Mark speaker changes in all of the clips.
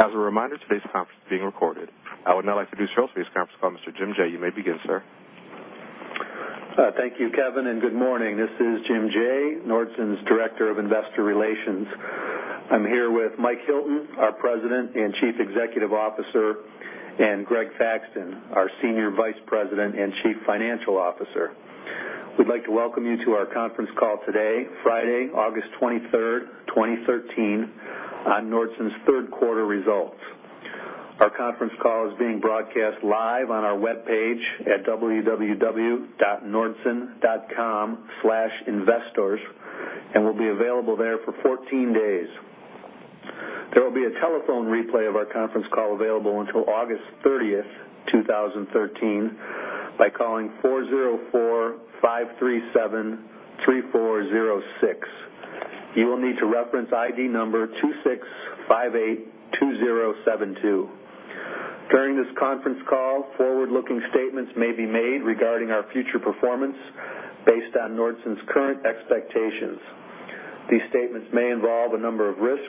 Speaker 1: As a reminder, today's conference is being recorded. I would now like to introduce today's conference call, Mr. Jim Jaye. You may begin, sir.
Speaker 2: Thank you, Kevin, and good morning. This is Jim Jaye, Nordson's Director of Investor Relations. I'm here with Mike Hilton, our President and Chief Executive Officer, and Greg Thaxton, our Senior Vice President and Chief Financial Officer. We'd like to welcome you to our conference call today, Friday, August 23rd, 2013, on Nordson's Third Quarter Results. Our conference call is being broadcast live on our webpage at www.nordson.com/investors and will be available there for 14 days. There will be a telephone replay of our conference call available until August 30th, 2013 by calling 404-537-3406. You will need to reference ID number 26582072. During this conference call, forward-looking statements may be made regarding our future performance based on Nordson's current expectations. These statements may involve a number of risks,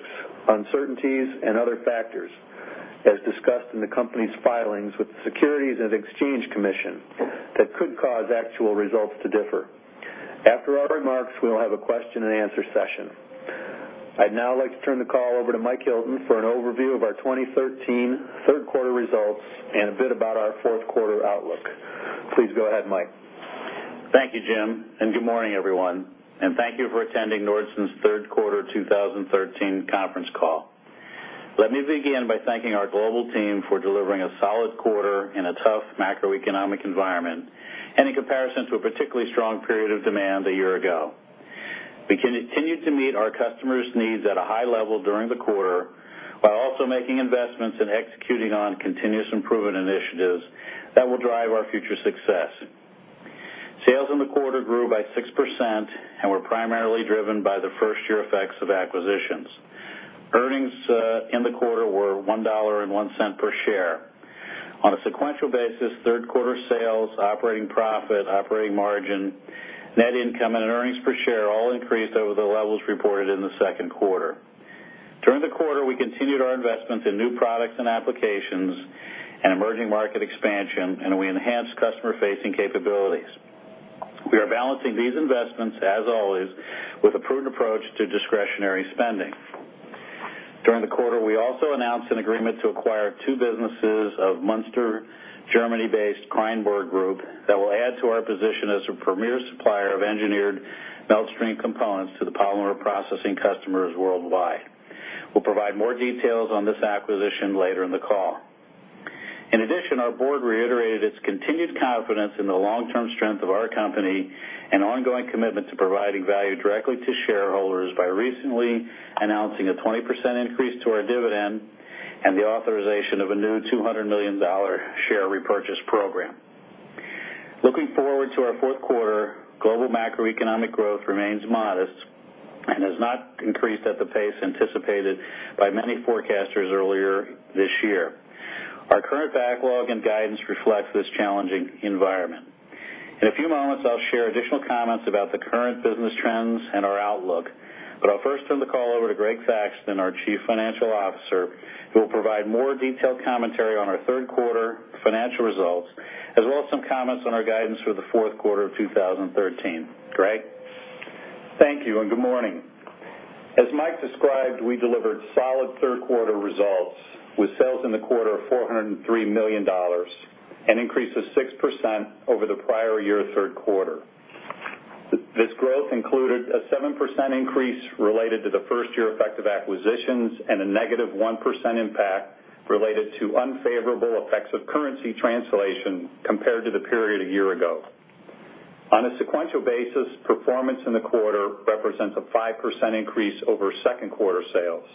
Speaker 2: uncertainties, and other factors, as discussed in the company's filings with the Securities and Exchange Commission that could cause actual results to differ. After our remarks, we will have a question-and-answer session. I'd now like to turn the call over to Mike Hilton for an overview of our 2013 third quarter results and a bit about our fourth quarter outlook. Please go ahead, Mike.
Speaker 3: Thank you, Jim, and good morning, everyone. Thank you for attending Nordson's Third Quarter 2013 Conference Call. Let me begin by thanking our global team for delivering a solid quarter in a tough macroeconomic environment and in comparison to a particularly strong period of demand a year ago. We continued to meet our customers' needs at a high level during the quarter while also making investments and executing on continuous improvement initiatives that will drive our future success. Sales in the quarter grew by 6% and were primarily driven by the first-year effects of acquisitions. Earnings in the quarter were $1.01 per share. On a sequential basis, third quarter sales, operating profit, operating margin, net income, and earnings per share all increased over the levels reported in the second quarter. During the quarter, we continued our investments in new products and applications and emerging market expansion, and we enhanced customer-facing capabilities. We are balancing these investments, as always, with a prudent approach to discretionary spending. During the quarter, we also announced an agreement to acquire two businesses of Münster, Germany-based Kreyenborg Group that will add to our position as a premier supplier of engineered melt stream components to the Polymer Processing customers worldwide. We'll provide more details on this acquisition later in the call. In addition, our board reiterated its continued confidence in the long-term strength of our company and ongoing commitment to providing value directly to shareholders by recently announcing a 20% increase to our dividend and the authorization of a new $200 million share repurchase program. Looking forward to our fourth quarter, global macroeconomic growth remains modest and has not increased at the pace anticipated by many forecasters earlier this year. Our current backlog and guidance reflects this challenging environment. In a few moments, I'll share additional comments about the current business trends and our outlook, but I'll first turn the call over to Greg Thaxton, our Chief Financial Officer, who will provide more detailed commentary on our third quarter financial results, as well as some comments on our guidance for the fourth quarter of 2013. Greg?
Speaker 4: Thank you and good morning. As Mike described, we delivered solid third quarter results with sales in the quarter of $403 million, an increase of 6% over the prior year third quarter. This growth included a 7% increase related to the first-year effect of acquisitions and a -1% impact related to unfavorable effects of currency translation compared to the period a year ago. On a sequential basis, performance in the quarter represents a 5% increase over second quarter sales.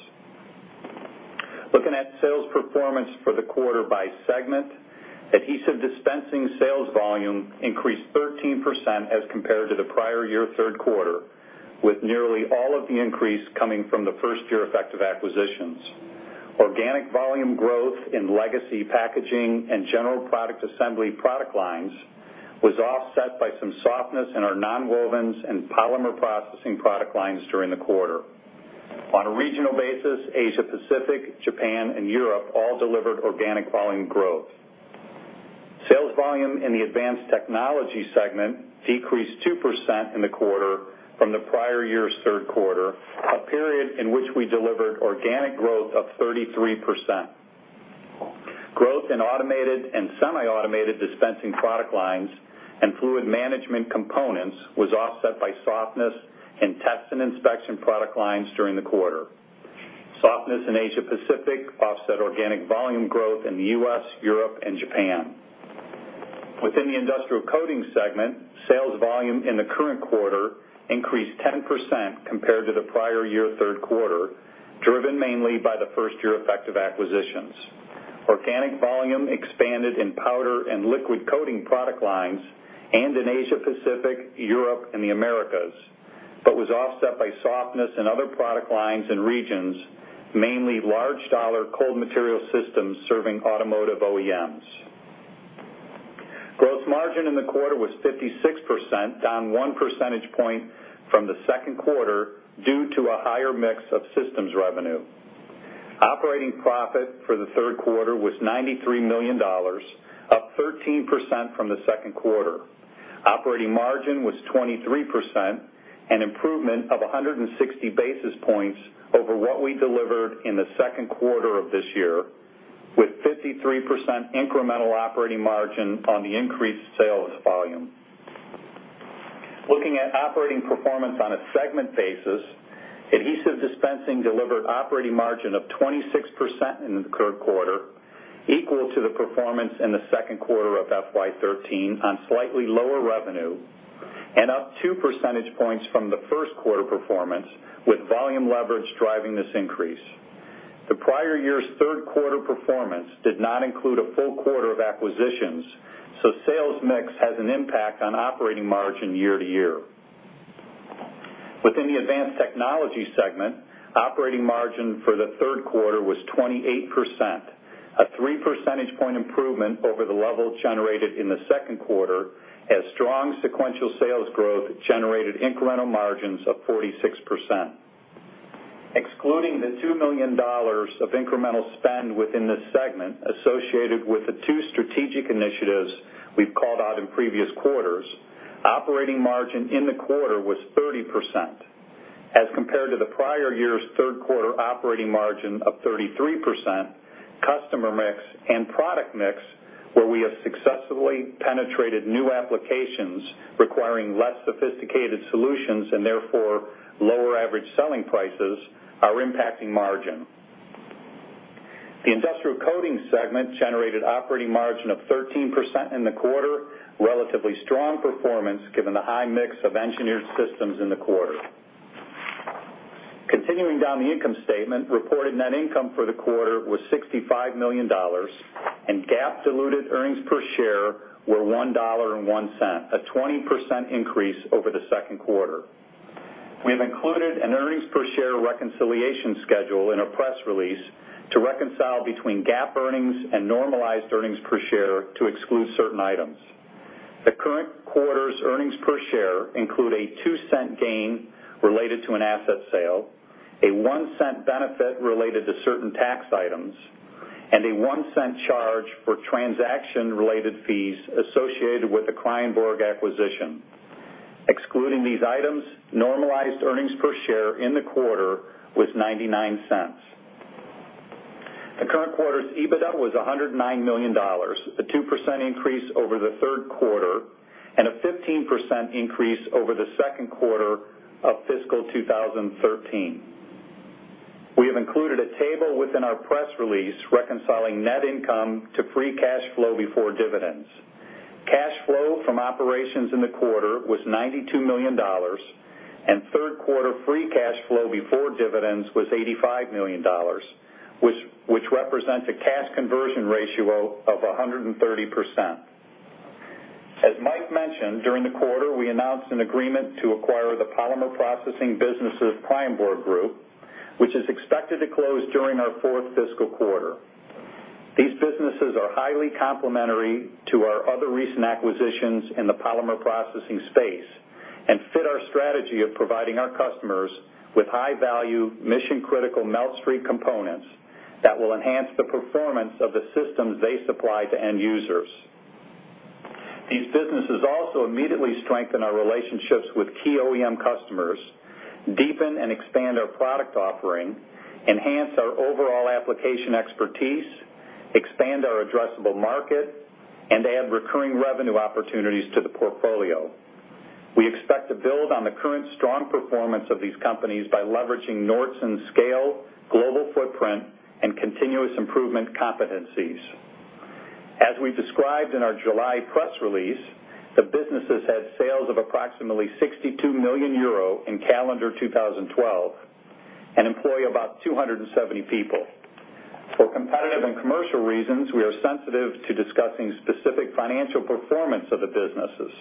Speaker 4: Looking at sales performance for the quarter by segment, Adhesive Dispensing sales volume increased 13% as compared to the prior year third quarter, with nearly all of the increase coming from the first-year effect of acquisitions. Organic volume growth in Legacy Packaging and general Product Assembly product lines was offset by some softness in our nonwovens and Polymer Processing product lines during the quarter. On a regional basis, Asia Pacific, Japan, and Europe all delivered organic volume growth. Sales volume in the Advanced Technology segment decreased 2% in the quarter from the prior year's third quarter, a period in which we delivered organic growth of 33%. Growth in Automated and Semi-Automated Dispensing product lines and Fluid Management components was offset by softness in Test & Inspection product lines during the quarter. Softness in Asia Pacific offset organic volume growth in the U.S., Europe, and Japan. Within the Industrial Coatings segment, sales volume in the current quarter increased 10% compared to the prior year third quarter, driven mainly by the first year effect of acquisitions. Organic volume expanded in powder and liquid coating product lines and in Asia Pacific, Europe, and the Americas, but was offset by softness in other product lines and regions, mainly large dollar cold material systems serving automotive OEMs. Margin in the quarter was 56%, down one percentage point from the second quarter, due to a higher mix of systems revenue. Operating profit for the third quarter was $93 million, up 13% from the second quarter. Operating margin was 23%, an improvement of 160 basis points over what we delivered in the second quarter of this year, with 53% incremental operating margin on the increased sales volume. Looking at operating performance on a segment basis, Adhesive Dispensing delivered operating margin of 26% in the current quarter, equal to the performance in the second quarter of FY 2013 on slightly lower revenue and up two percentage points from the first quarter performance with volume leverage driving this increase. The prior year's third quarter performance did not include a full quarter of acquisitions, so sales mix has an impact on operating margin year-to-year. Within the Advanced Technology segment, operating margin for the third quarter was 28%, a three percentage point improvement over the level generated in the second quarter as strong sequential sales growth generated incremental margins of 46%. Excluding the $2 million of incremental spend within this segment associated with the two strategic initiatives we've called out in previous quarters, operating margin in the quarter was 30%. As compared to the prior year's third quarter operating margin of 33%, customer mix and product mix, where we have successfully penetrated new applications requiring less sophisticated solutions and therefore lower average selling prices, are impacting margin. The Industrial Coatings segment generated operating margin of 13% in the quarter, relatively strong performance given the high mix of engineered systems in the quarter. Continuing down the income statement, reported net income for the quarter was $65 million and GAAP diluted earnings per share were $1.01, a 20% increase over the second quarter. We have included an earnings per share reconciliation schedule in our press release to reconcile between GAAP earnings and normalized earnings per share to exclude certain items. The current quarter's earnings per share include a $0.02 gain related to an asset sale, a $0.01 benefit related to certain tax items, and a $0.01 charge for transaction-related fees associated with the Kreyenborg acquisition. Excluding these items, normalized earnings per share in the quarter was $0.99. The current quarter's EBITDA was $109 million, a 2% increase over the third quarter and a 15% increase over the second quarter of fiscal 2013. We have included a table within our press release reconciling net income to free cash flow before dividends. Cash flow from operations in the quarter was $92 million, and third quarter free cash flow before dividends was $85 million, which represents a cash conversion ratio of 130%. As Mike mentioned, during the quarter, we announced an agreement to acquire the Polymer Processing businesses of Kreyenborg Group, which is expected to close during our fourth fiscal quarter. These businesses are highly complementary to our other recent acquisitions in the Polymer Processing space and fit our strategy of providing our customers with high-value, mission-critical melt stream components that will enhance the performance of the systems they supply to end users. These businesses also immediately strengthen our relationships with key OEM customers, deepen and expand our product offering, enhance our overall application expertise, expand our addressable market, and add recurring revenue opportunities to the portfolio. We expect to build on the current strong performance of these companies by leveraging Nordson's scale, global footprint, and continuous improvement competencies. As we described in our July press release, the businesses had sales of approximately 62 million euro in calendar 2012 and employ about 270 people. For competitive and commercial reasons, we are sensitive to discussing specific financial performance of the businesses.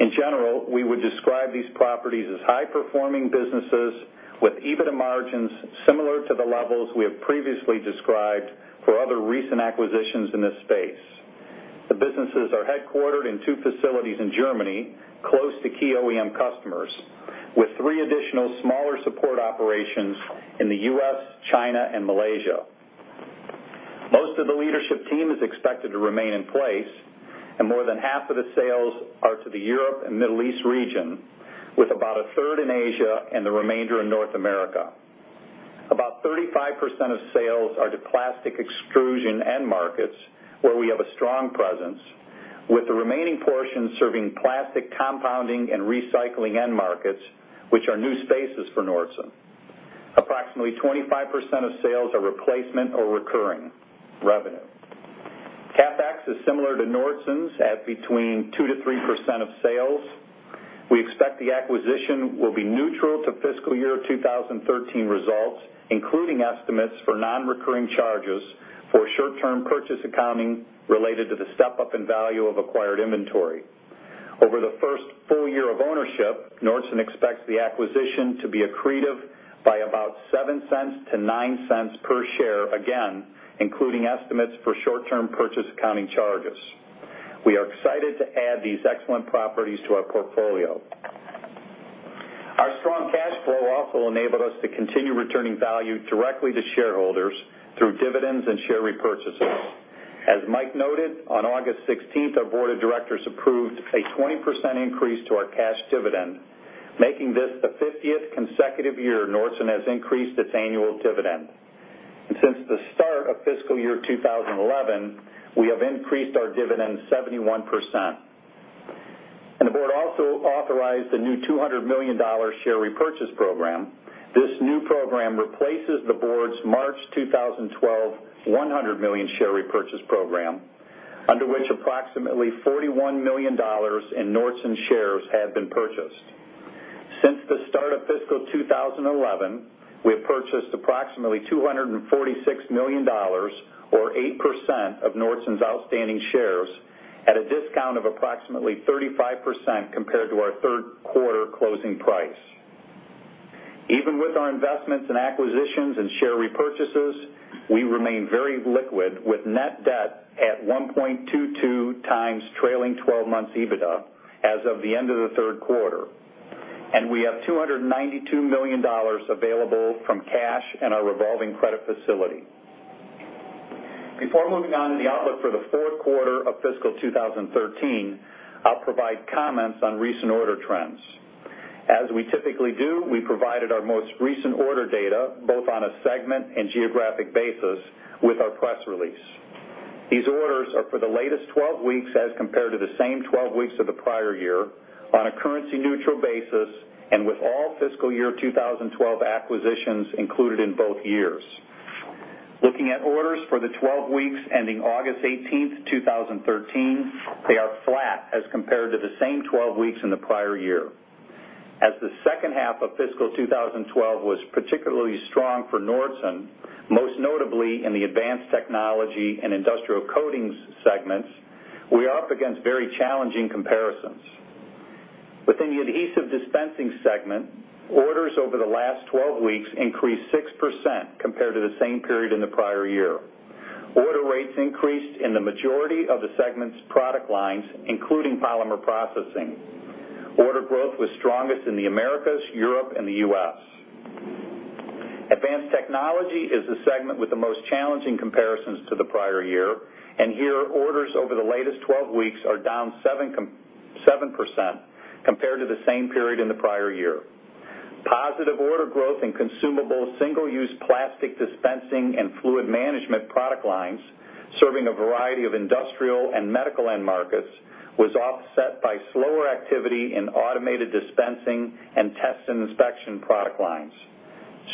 Speaker 4: In general, we would describe these properties as high-performing businesses with EBITDA margins similar to the levels we have previously described for other recent acquisitions in this space. The businesses are headquartered in two facilities in Germany, close to key OEM customers, with three additional smaller support operations in the U.S., China, and Malaysia. Most of the leadership team is expected to remain in place, and more than half of the sales are to the Europe and Middle East region, with about a third in Asia and the remainder in North America. About 35% of sales are to plastic extrusion end markets, where we have a strong presence, with the remaining portion serving plastic compounding and recycling end markets, which are new spaces for Nordson. Approximately 25% of sales are replacement or recurring revenue. CapEx is similar to Nordson's at between 2%-3% of sales. We expect the acquisition will be neutral to fiscal year 2013 results, including estimates for non-recurring charges for short-term purchase accounting related to the step-up in value of acquired inventory. Over the first full year of ownership, Nordson expects the acquisition to be accretive by about $0.07-$0.09 per share, again, including estimates for short-term purchase accounting charges. We are excited to add these excellent properties to our portfolio. Our strong cash flow also enabled us to continue returning value directly to shareholders through dividends and share repurchases. As Mike noted, on August 16th, our board of directors approved a 20% increase to our cash dividend, making this the 50th consecutive year Nordson has increased its annual dividend. Since the start of fiscal year 2011, we have increased our dividend 71%. The board also authorized a new $200 million share repurchase program. This new program replaces the board's March 2012, $100 million share repurchase program, under which approximately $41 million in Nordson shares have been purchased. Since the start of fiscal 2011, we have purchased approximately $246 million or 8% of Nordson's outstanding shares at a discount of approximately 35% compared to our third quarter closing price. Even with our investments and acquisitions and share repurchases, we remain very liquid with net debt at 1.22x trailing twelve months EBITDA as of the end of the third quarter. We have $292 million available from cash and our revolving credit facility. Before moving on to the outlook for the fourth quarter of fiscal 2013, I'll provide comments on recent order trends. As we typically do, we provided our most recent order data, both on a segment and geographic basis with our press release. These orders are for the latest 12 weeks as compared to the same 12 weeks of the prior year on a currency-neutral basis, and with all fiscal year 2012 acquisitions included in both years. Looking at orders for the 12 weeks ending August 18, 2013, they are flat as compared to the same 12 weeks in the prior year. As the second half of fiscal 2012 was particularly strong for Nordson, most notably in the Advanced Technology and Industrial Coatings segments, we are up against very challenging comparisons. Within the Adhesive Dispensing segment, orders over the last 12 weeks increased 6% compared to the same period in the prior year. Order rates increased in the majority of the segment's product lines, including Polymer Processing. Order growth was strongest in the Americas, Europe, and the U.S. Advanced Technology is the segment with the most challenging comparisons to the prior year, and here, orders over the latest 12 weeks are down 7% compared to the same period in the prior year. Positive order growth in consumable single-use Plastic Dispensing and Fluid Management product lines, serving a variety of industrial and medical end markets, was offset by slower activity in Automated Dispensing and Test & Inspection product lines.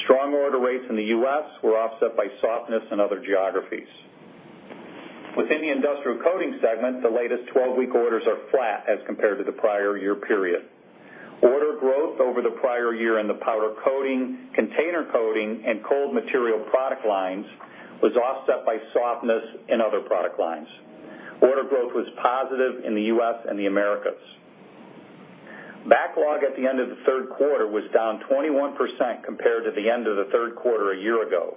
Speaker 4: Strong order rates in the U.S. were offset by softness in other geographies. Within the Industrial Coatings segment, the latest 12-week orders are flat as compared to the prior year period. Order growth over the prior year in the powder coating, Container Coating, and cold material product lines was offset by softness in other product lines. Order growth was positive in the U.S. and the Americas. Backlog at the end of the third quarter was down 21% compared to the end of the third quarter a year ago.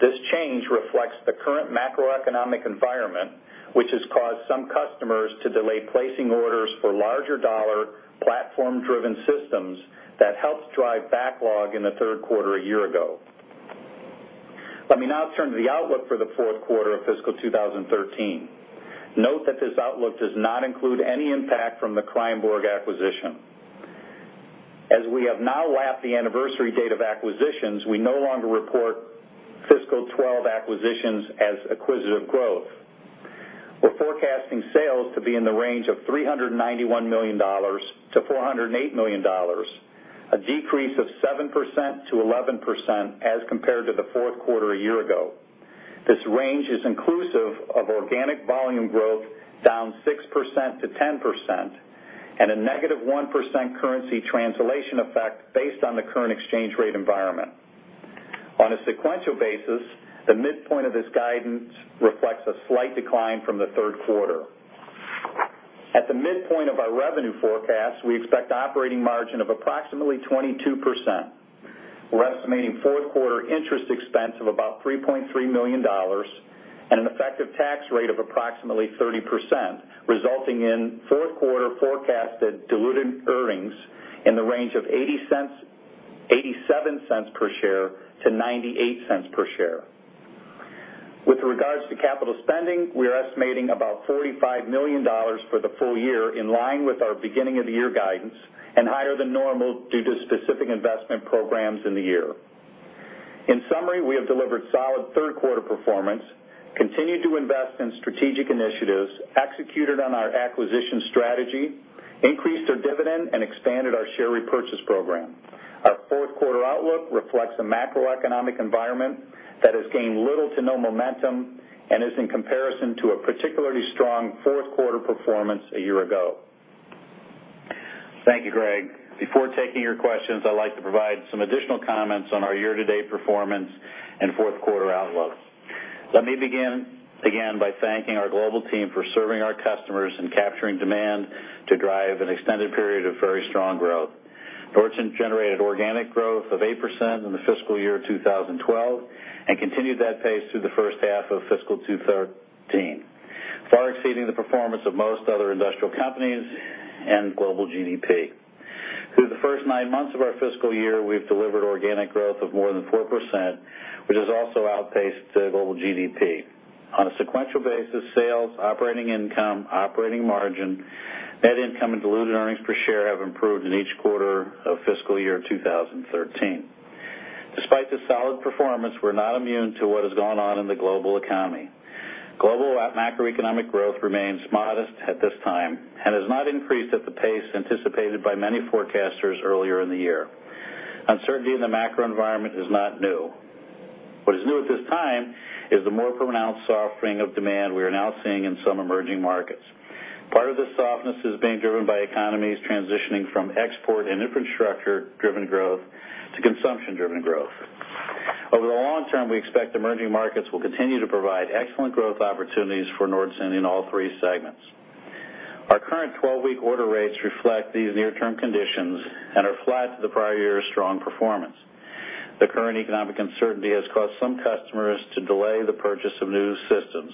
Speaker 4: This change reflects the current macroeconomic environment, which has caused some customers to delay placing orders for larger dollar platform-driven systems that helped drive backlog in the third quarter a year ago. Let me now turn to the outlook for the fourth quarter of fiscal 2013. Note that this outlook does not include any impact from the Kreyenborg acquisition. As we have now lapped the anniversary date of acquisitions, we no longer report fiscal 2012 acquisitions as acquisitive growth. We're forecasting sales to be in the range of $391 million-$408 million, a decrease of 7%-11% as compared to the fourth quarter a year ago. This range is inclusive of organic volume growth down 6%-10% and a negative 1% currency translation effect based on the current exchange rate environment. On a sequential basis, the midpoint of this guidance reflects a slight decline from the third quarter. At the midpoint of our revenue forecast, we expect operating margin of approximately 22%. We're estimating fourth quarter interest expense of about $3.3 million and an effective tax rate of approximately 30%, resulting in fourth quarter forecasted diluted earnings in the range of $0.87-$0.98 per share. With regards to capital spending, we're estimating about $45 million for the full year, in line with our beginning of the year guidance and higher than normal due to specific investment programs in the year. In summary, we have delivered solid third quarter performance, continued to invest in strategic initiatives, executed on our acquisition strategy, increased our dividend, and expanded our share repurchase program. Our fourth quarter outlook reflects a macroeconomic environment that has gained little to no momentum and is in comparison to a particularly strong fourth quarter performance a year ago.
Speaker 3: Thank you, Greg. Before taking your questions, I'd like to provide some additional comments on our year-to-date performance and fourth quarter outlook. Let me begin again by thanking our global team for serving our customers and capturing demand to drive an extended period of very strong growth. Nordson generated organic growth of 8% in the fiscal year 2012, and continued that pace through the first half of fiscal 2013, far exceeding the performance of most other industrial companies and global GDP. Through the first 9 months of our fiscal year, we've delivered organic growth of more than 4%, which has also outpaced the global GDP. On a sequential basis, sales, operating income, operating margin, net income, and diluted earnings per share have improved in each quarter of fiscal year 2013. Despite the solid performance, we're not immune to what is going on in the global economy. Global macroeconomic growth remains modest at this time and has not increased at the pace anticipated by many forecasters earlier in the year. Uncertainty in the macro environment is not new. What is new at this time is the more pronounced softening of demand we are now seeing in some emerging markets. Part of this softness is being driven by economies transitioning from export and infrastructure-driven growth to consumption-driven growth. Over the long term, we expect emerging markets will continue to provide excellent growth opportunities for Nordson in all three segments. Our current 12-week order rates reflect these near-term conditions and are flat to the prior year's strong performance. The current economic uncertainty has caused some customers to delay the purchase of new systems,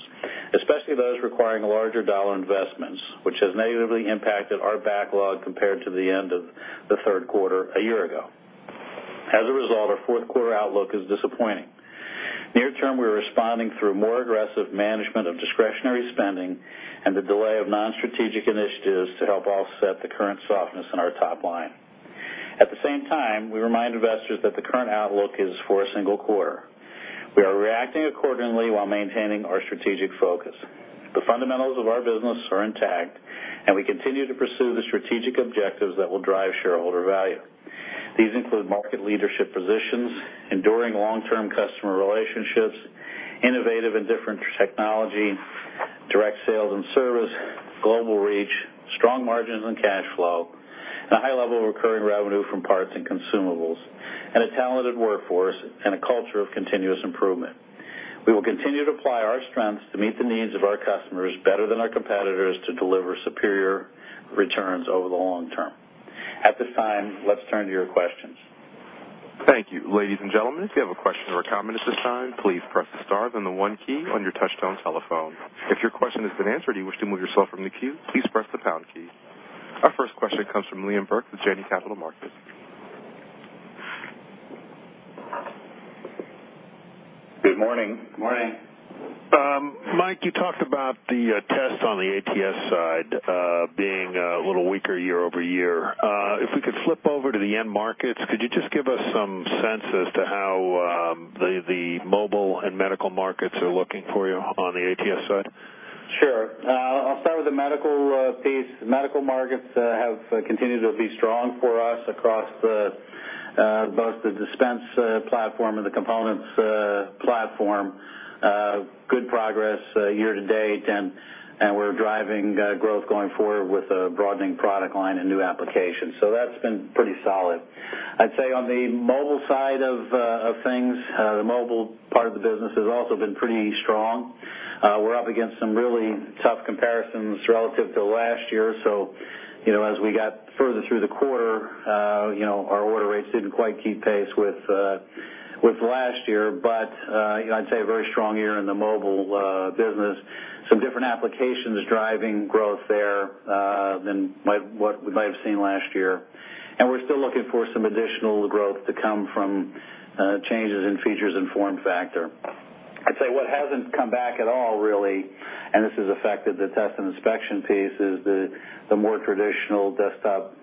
Speaker 3: especially those requiring larger dollar investments, which has negatively impacted our backlog compared to the end of the third quarter a year ago. As a result, our fourth quarter outlook is disappointing. Near term, we're responding through more aggressive management of discretionary spending and the delay of non-strategic initiatives to help offset the current softness in our top line. At the same time, we remind investors that the current outlook is for a single quarter. We are reacting accordingly while maintaining our strategic focus. The fundamentals of our business are intact, and we continue to pursue the strategic objectives that will drive shareholder value. These include market leadership positions, enduring long-term customer relationships, innovative and different technology, direct sales and service, global reach, strong margins and cash flow, and a high level of recurring revenue from parts and consumables, and a talented workforce, and a culture of continuous improvement. We will continue to apply our strengths to meet the needs of our customers better than our competitors to deliver superior returns over the long term. At this time, let's turn to your questions.
Speaker 1: Thank you. Ladies and gentlemen, if you have a question or a comment at this time, please press star then the one key on your touchtone telephone. If your question has been answered or you wish to remove yourself from the queue, please press the pound key. Our first question comes from Liam Burke with Janney Capital Markets.
Speaker 5: Good morning.
Speaker 3: Morning.
Speaker 5: Mike, you talked about the tests on the ATS side being a little weaker year-over-year. If we could flip over to the end markets, could you just give us some sense as to how the mobile and medical markets are looking for you on the ATS side?
Speaker 3: Sure. I'll start with the medical piece. Medical markets have continued to be strong for us across both the dispense platform and the components platform. Good progress year-to-date, and we're driving growth going forward with a broadening product line and new applications. That's been pretty solid. I'd say on the mobile side of things, the mobile part of the business has also been pretty strong. We're up against some really tough comparisons relative to last year, so you know, as we got further through the quarter, you know, our order rates didn't quite keep pace with last year. You know, I'd say a very strong year in the mobile business. Some different applications driving growth there than what we might have seen last year. We're still looking for some additional growth to come from changes in features and form factor. I'd say what hasn't come back at all really, and this has affected the Test & Inspection piece, is the more traditional desktop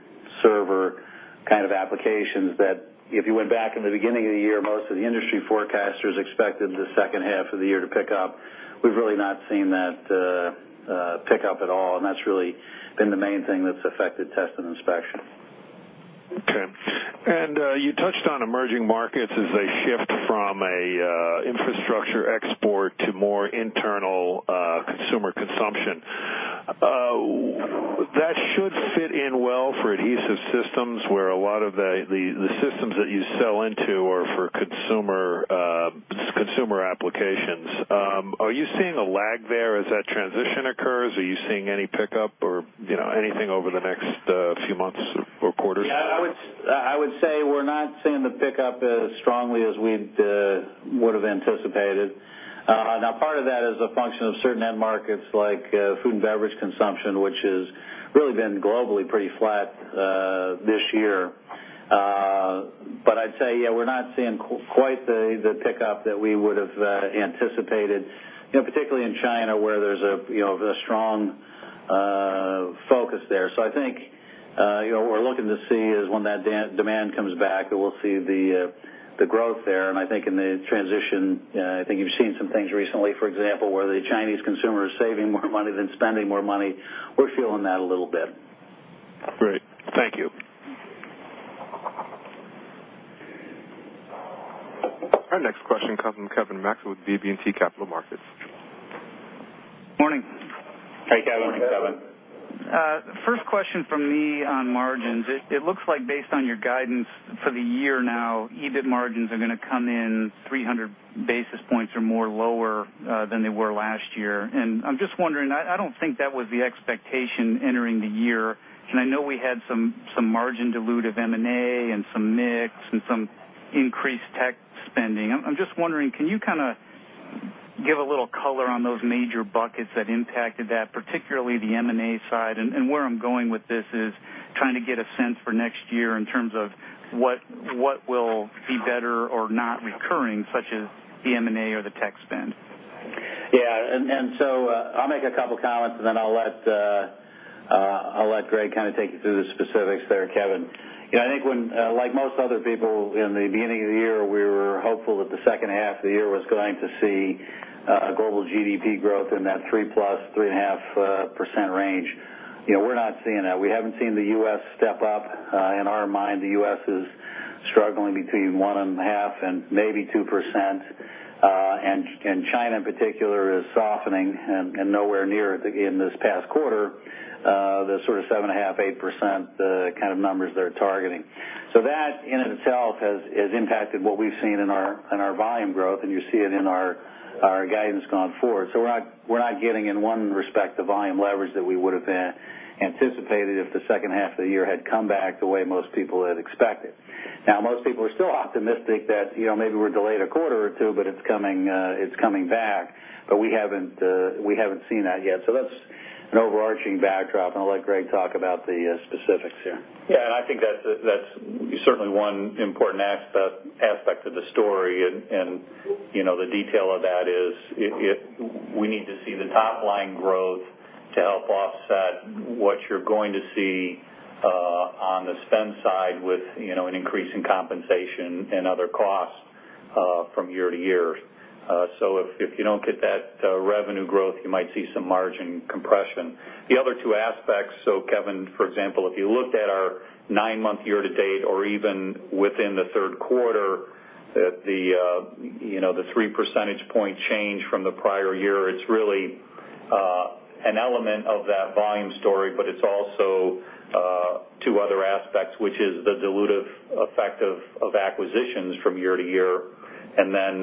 Speaker 3: server kind of applications that if you went back in the beginning of the year, most of the industry forecasters expected the second half of the year to pick up. We've really not seen that pick up at all, and that's really been the main thing that's affected Test & Inspection.
Speaker 5: Okay. You touched on emerging markets as they shift from a infrastructure export to more internal consumer consumption. That should fit in well for adhesive systems, where a lot of the systems that you sell into are for consumer applications. Are you seeing a lag there as that transition occurs? Are you seeing any pickup or, you know, anything over the next few months or quarters?
Speaker 3: Yeah, I would say we're not seeing the pickup as strongly as we'd have anticipated. Now part of that is a function of certain end markets like food and beverage consumption, which has really been globally pretty flat this year. I'd say, yeah, we're not seeing quite the pickup that we would've anticipated, you know, particularly in China, where there's a strong focus there. I think what we're looking to see is when that demand comes back, we'll see the growth there. I think in the transition, I think you've seen some things recently, for example, where the Chinese consumer is saving more money than spending more money. We're feeling that a little bit.
Speaker 5: Great. Thank you.
Speaker 1: Our next question comes from Kevin Maczka with BB&T Capital Markets.
Speaker 6: Morning.
Speaker 3: Hey, Kevin.
Speaker 4: Good morning, Kevin.
Speaker 6: First question from me on margins. It looks like based on your guidance for the year now, EBIT margins are gonna come in 300 basis points or more lower than they were last year. I'm just wondering, I don't think that was the expectation entering the year, and I know we had some margin dilutive M&A and some mix and some increased tech spending. I'm just wondering, can you kinda give a little color on those major buckets that impacted that, particularly the M&A side? Where I'm going with this is trying to get a sense for next year in terms of what will be better or not recurring, such as the M&A or the tech spend.
Speaker 3: I'll make a couple comments, and then I'll let Greg kind of take you through the specifics there, Kevin. You know, I think when, like most other people in the beginning of the year, we were hopeful that the second half of the year was going to see a global GDP growth in that 3%+, 3.5% range. You know, we're not seeing that. We haven't seen the U.S. step up. In our mind, the U.S. is struggling between 1.5% and maybe 2%, and China in particular is softening and nowhere near the sort of 7.5%-8% kind of numbers they're targeting in this past quarter. That in itself has impacted what we've seen in our volume growth, and you see it in our guidance going forward. We're not getting in one respect the volume leverage that we would have anticipated if the second half of the year had come back the way most people had expected. Now, most people are still optimistic that, you know, maybe we're delayed a quarter or two, but it's coming back. We haven't seen that yet. That's an overarching backdrop, and I'll let Greg talk about the specifics here.
Speaker 4: Yeah. I think that's certainly one important aspect of the story and, you know, the detail of that is if we need to see the top line growth to help offset what you're going to see on the spend side with, you know, an increase in compensation and other costs from year to year. If you don't get that revenue growth, you might see some margin compression. The other two aspects, so Kevin, for example, if you looked at our nine-month year to date or even within the third quarter, you know, the three percentage point change from the prior year, it's really an element of that volume story, but it's also two other aspects, which is the dilutive effect of acquisitions from year to year, and then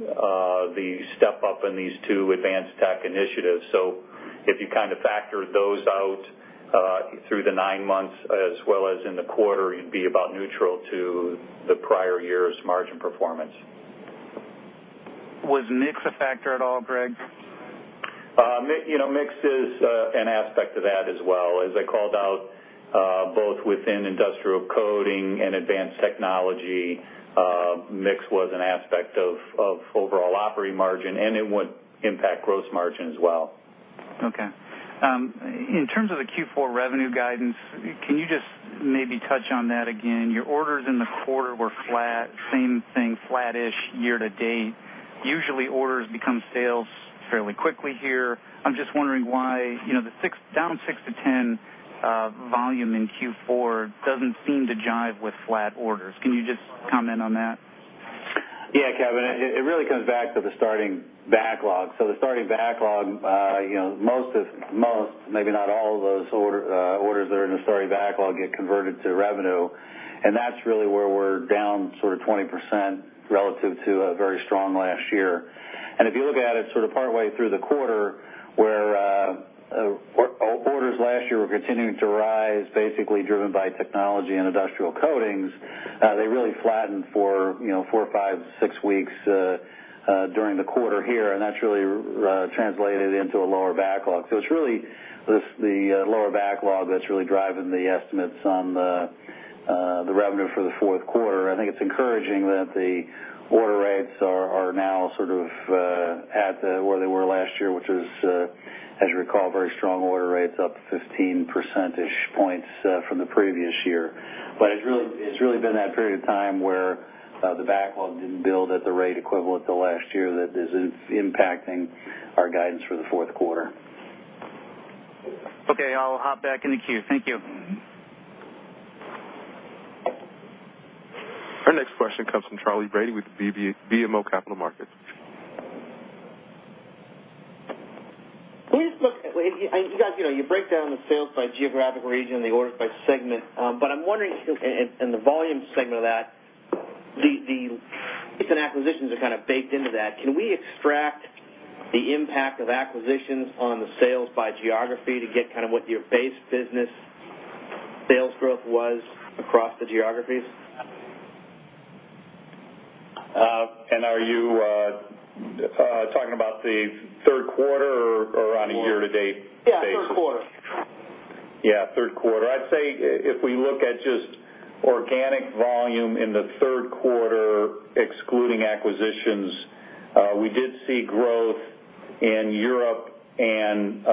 Speaker 4: the step up in these two advanced tech initiatives. If you kind of factor those out through the nine months as well as in the quarter, you'd be about neutral to the prior year's margin performance.
Speaker 6: Was mix a factor at all, Greg?
Speaker 4: You know, mix is an aspect of that as well. As I called out, both within Industrial Coating and Advanced Technology, mix was an aspect of overall operating margin, and it would impact gross margin as well.
Speaker 6: Okay. In terms of the Q4 revenue guidance, can you just maybe touch on that again? Your orders in the quarter were flat, same thing, flat-ish year to date. Usually, orders become sales fairly quickly here. I'm just wondering why, you know, down 6-10 volume in Q4 doesn't seem to jive with flat orders. Can you just comment on that?
Speaker 3: Yeah, Kevin. It really comes back to the starting backlog. The starting backlog, most maybe not all of those orders that are in the starting backlog get converted to revenue. That's really where we're down sort of 20% relative to a very strong last year. If you look at it sort of partway through the quarter where orders last year were continuing to rise, basically driven by technology and Industrial Coatings, they really flattened for 4, 5, 6 weeks during the quarter here, and that's really translated into a lower backlog. It's really this lower backlog that's really driving the estimates on the revenue for the fourth quarter. I think it's encouraging that the order rates are now sort of at where they were last year, which is, as you recall, very strong order rates up 15 percentage points from the previous year. It's really been that period of time where the backlog didn't build at the rate equivalent to last year that is impacting our guidance for the fourth quarter.
Speaker 6: Okay. I'll hop back in the queue. Thank you.
Speaker 1: Our next question comes from Charley Brady with BMO Capital Markets.
Speaker 7: You guys, you know, you break down the sales by geographic region, the orders by segment. But I'm wondering if in the volume segment of that, the recent acquisitions are kind of baked into that. Can we extract the impact of acquisitions on the sales by geography to get kind of what your base business sales growth was across the geographies?
Speaker 4: Are you talking about the third quarter or on a year-to-date basis?
Speaker 7: Yeah, third quarter.
Speaker 4: Yeah, third quarter. I'd say if we look at just organic volume in the third quarter, excluding acquisitions, we did see growth in Europe and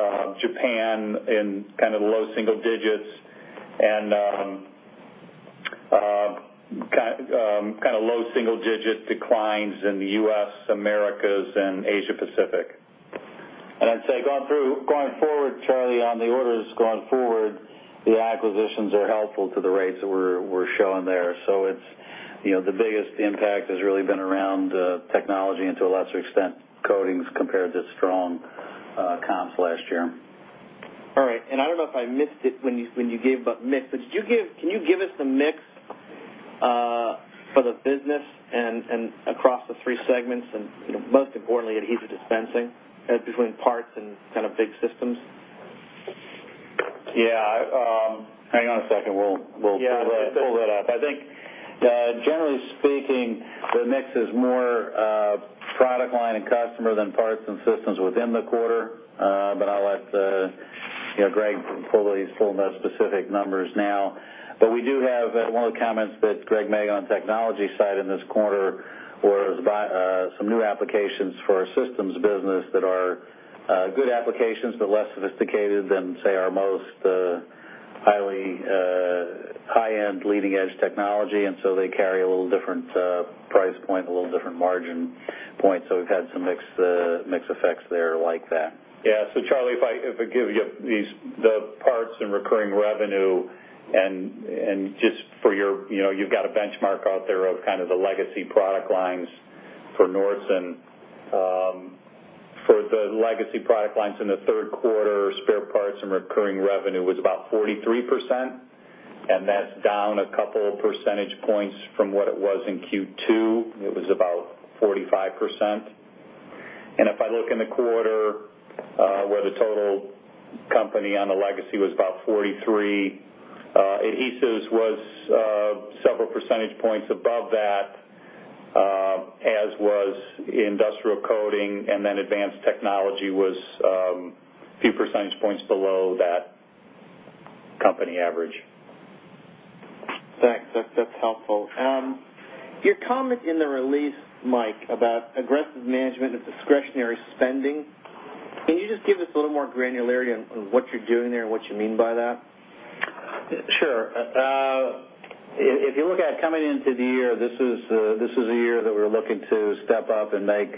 Speaker 4: Japan in kind of low-single-digit% and kind of low single-digit% declines in the U.S., Americas, and Asia Pacific.
Speaker 3: I'd say going forward, Charles, on the orders going forward, the acquisitions are helpful to the rates that we're showing there. It's, you know, the biggest impact has really been around technology, and to a lesser extent, coatings compared to strong comps last year.
Speaker 7: All right. I don't know if I missed it when you gave about mix, but can you give us the mix for the business and across the three segments and, you know, most importantly, Adhesive Dispensing between parts and kind of big systems?
Speaker 3: Yeah. Hang on a second. We'll pull that up. I think, generally speaking, the mix is more product line and customer than parts and systems within the quarter. I'll let you know. Greg'll pull those specific numbers now. We do have one of the comments that Greg made on technology side in this quarter was by some new applications for our systems business that are good applications, but less sophisticated than, say, our most highly high-end leading edge technology. They carry a little different price point, a little different margin point. We've had some mix effects there like that.
Speaker 4: Yeah. Charlie, if I give you these, the parts and recurring revenue and just for your, you know, you've got a benchmark out there of kind of the legacy product lines for Nordson. For the legacy product lines in the third quarter, spare parts and recurring revenue was about 43%, and that's down a couple of percentage points from what it was in Q2. It was about 45%. If I look in the quarter, where the total company on the legacy was about 43, Adhesives was several percentage points above that, as was Industrial Coating, and then Advanced Technology was a few percentage points below that company average.
Speaker 7: Thanks. That's helpful. Your comment in the release, Mike, about aggressive management of discretionary spending, can you just give us a little more granularity on what you're doing there and what you mean by that?
Speaker 3: Sure. If you look at coming into the year, this is a year that we're looking to step up and make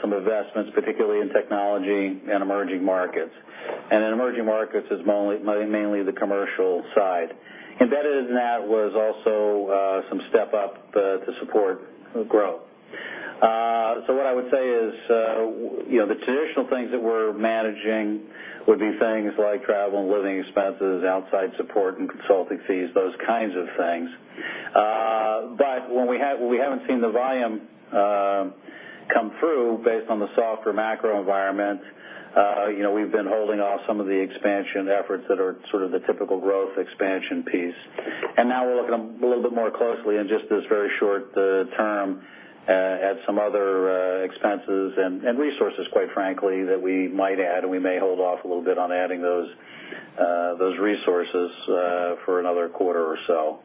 Speaker 3: some investments, particularly in technology and emerging markets. In emerging markets it's mainly the commercial side. Embedded in that was also some step up to support growth. What I would say is, you know, the traditional things that we're managing would be things like travel and living expenses, outside support and consulting fees, those kinds of things. When we haven't seen the volume come through based on the softer macro environment, you know, we've been holding off some of the expansion efforts that are sort of the typical growth expansion piece. Now we're looking a little bit more closely in just this very short term at some other expenses and resources, quite frankly, that we might add, and we may hold off a little bit on adding those resources for another quarter or so.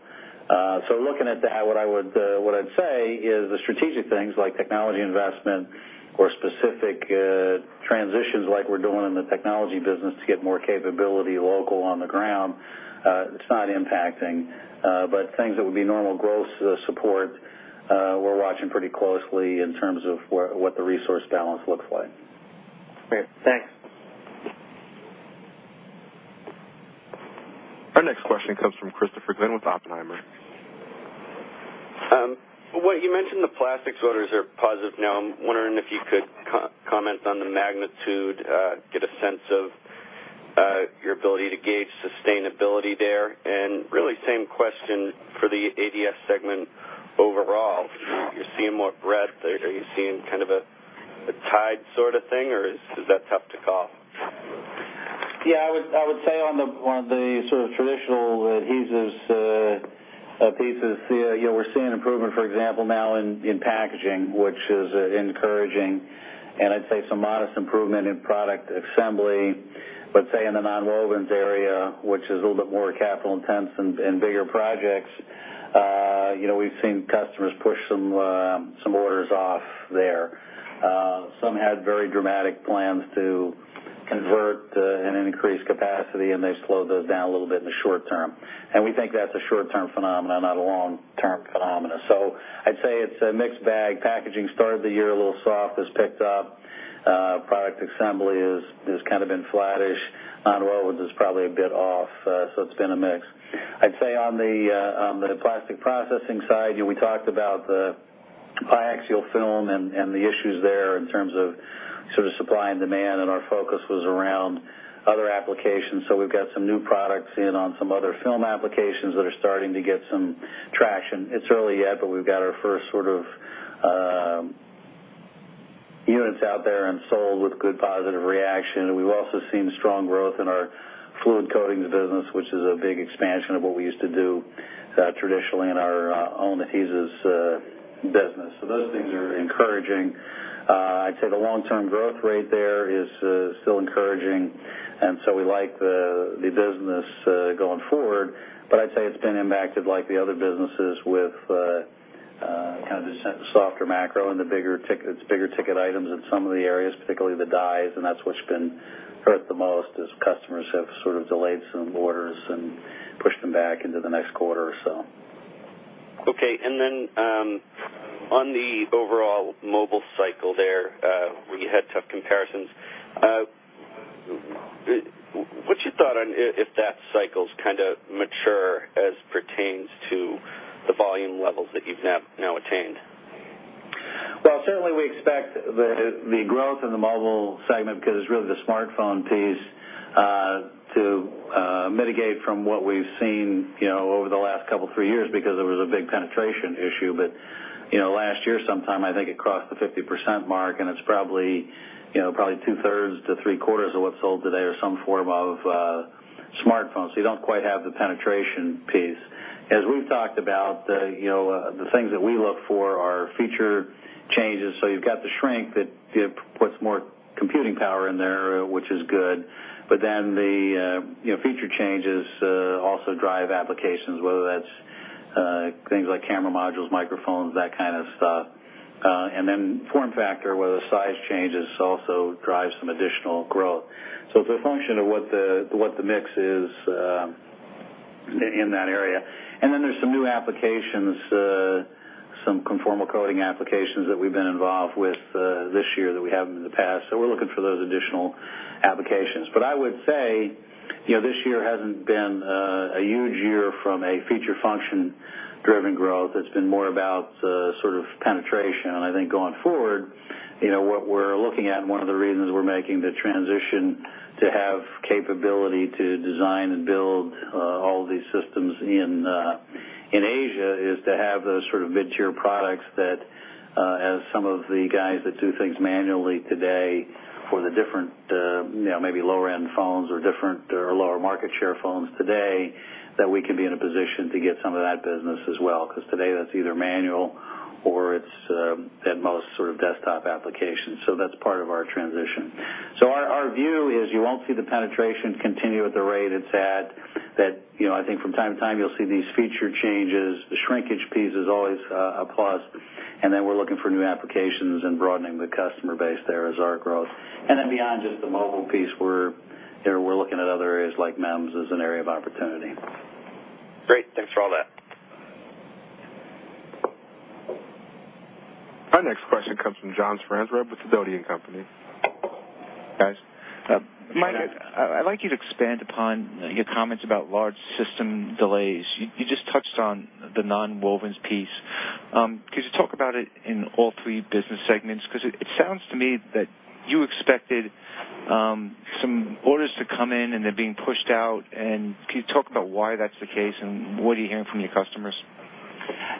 Speaker 3: Looking at that, what I'd say is the strategic things like technology investment or specific transitions like we're doing in the technology business to get more capability local on the ground, it's not impacting. Things that would be normal growth support, we're watching pretty closely in terms of where the resource balance looks like.
Speaker 7: Great. Thanks.
Speaker 1: Our next question comes from Christopher Glynn with Oppenheimer.
Speaker 8: Well, you mentioned the plastics orders are positive now. I'm wondering if you could comment on the magnitude, get a sense of your ability to gauge sustainability there. Really, same question for the ADS segment overall. Are you seeing more breadth? Are you seeing kind of a tide sort of thing, or is that tough to call?
Speaker 3: Yeah. I would say on the sort of traditional adhesives pieces, you know, we're seeing improvement, for example, now in packaging, which is encouraging. I'd say some modest improvement in Product Assembly. Say in the nonwovens area, which is a little bit more capital intensive and bigger projects, you know, we've seen customers push some orders off there. Some had very dramatic plans to convert and increase capacity, and they slowed those down a little bit in the short term. We think that's a short term phenomenon, not a long term phenomenon. I'd say it's a mixed bag. Packaging started the year a little soft, has picked up. Product Assembly has kind of been flattish. Nonwovens is probably a bit off. It's been a mix. I'd say on the plastic processing side, you know, we talked about the biaxial film and the issues there in terms of sort of supply and demand, and our focus was around other applications. We've got some new products in on some other film applications that are starting to get some traction. It's early yet, but we've got our first sort of units out there and sold with good positive reaction. We've also seen strong growth in our fluid coating business, which is a big expansion of what we used to do traditionally in our own Adhesives business. Those things are encouraging. I'd say the long term growth rate there is still encouraging, and so we like the business going forward. I'd say it's been impacted like the other businesses with kind of the softer macro and the big-ticket items in some of the areas, particularly the dies, and that's what's been hurt the most as customers have sort of delayed some orders and pushed them back into the next quarter or so.
Speaker 8: Okay. On the overall mobile cycle there, where you had tough comparisons, what's your thought on if that cycle's kinda mature as pertains to the volume levels that you've now attained?
Speaker 3: Well, certainly we expect the growth in the mobile segment because it's really the smartphone piece to mitigate from what we've seen, you know, over the last couple three years because there was a big penetration issue. You know, last year sometime, I think it crossed the 50% mark, and it's probably, you know, probably two-thirds to three-quarters of what's sold today are some form of smartphone. You don't quite have the penetration piece. As we've talked about, you know, the things that we look for are feature changes. You've got the shrink that, you know, puts more computing power in there, which is good. The feature changes also drive applications, whether that's things like camera modules, microphones, that kind of stuff. Form factor, whether size changes also drives some additional growth. It's a function of what the mix is in that area. There's some new applications, some conformal coating applications that we've been involved with this year that we haven't in the past. We're looking for those additional applications. I would say, you know, this year hasn't been a huge year from a feature function driven growth. It's been more about, sort of penetration. I think going forward, you know, what we're looking at, and one of the reasons we're making the transition to have capability to design and build all these systems in Asia, is to have those sort of mid-tier products that, as some of the guys that do things manually today for the different, maybe lower-end phones or lower market share phones today, that we can be in a position to get some of that business as well. 'Cause today that's either manual or it's at most, sort of desktop applications. So that's part of our transition. So our view is you won't see the penetration continue at the rate it's at, that, I think from time to time you'll see these feature changes. The shrinkage piece is always a plus. We're looking for new applications and broadening the customer base there as our growth. Beyond just the mobile piece, you know, we're looking at other areas like MEMS as an area of opportunity.
Speaker 8: Great. Thanks for all that.
Speaker 1: Our next question comes from John Franzreb with Sidoti & Company. Guys.
Speaker 9: Mike, I-
Speaker 3: Yeah.
Speaker 9: I'd like you to expand upon your comments about large system delays. You just touched on the nonwovens piece. Could you talk about it in all three business segments? 'Cause it sounds to me that you expected some orders to come in, and they're being pushed out. Can you talk about why that's the case and what are you hearing from your customers?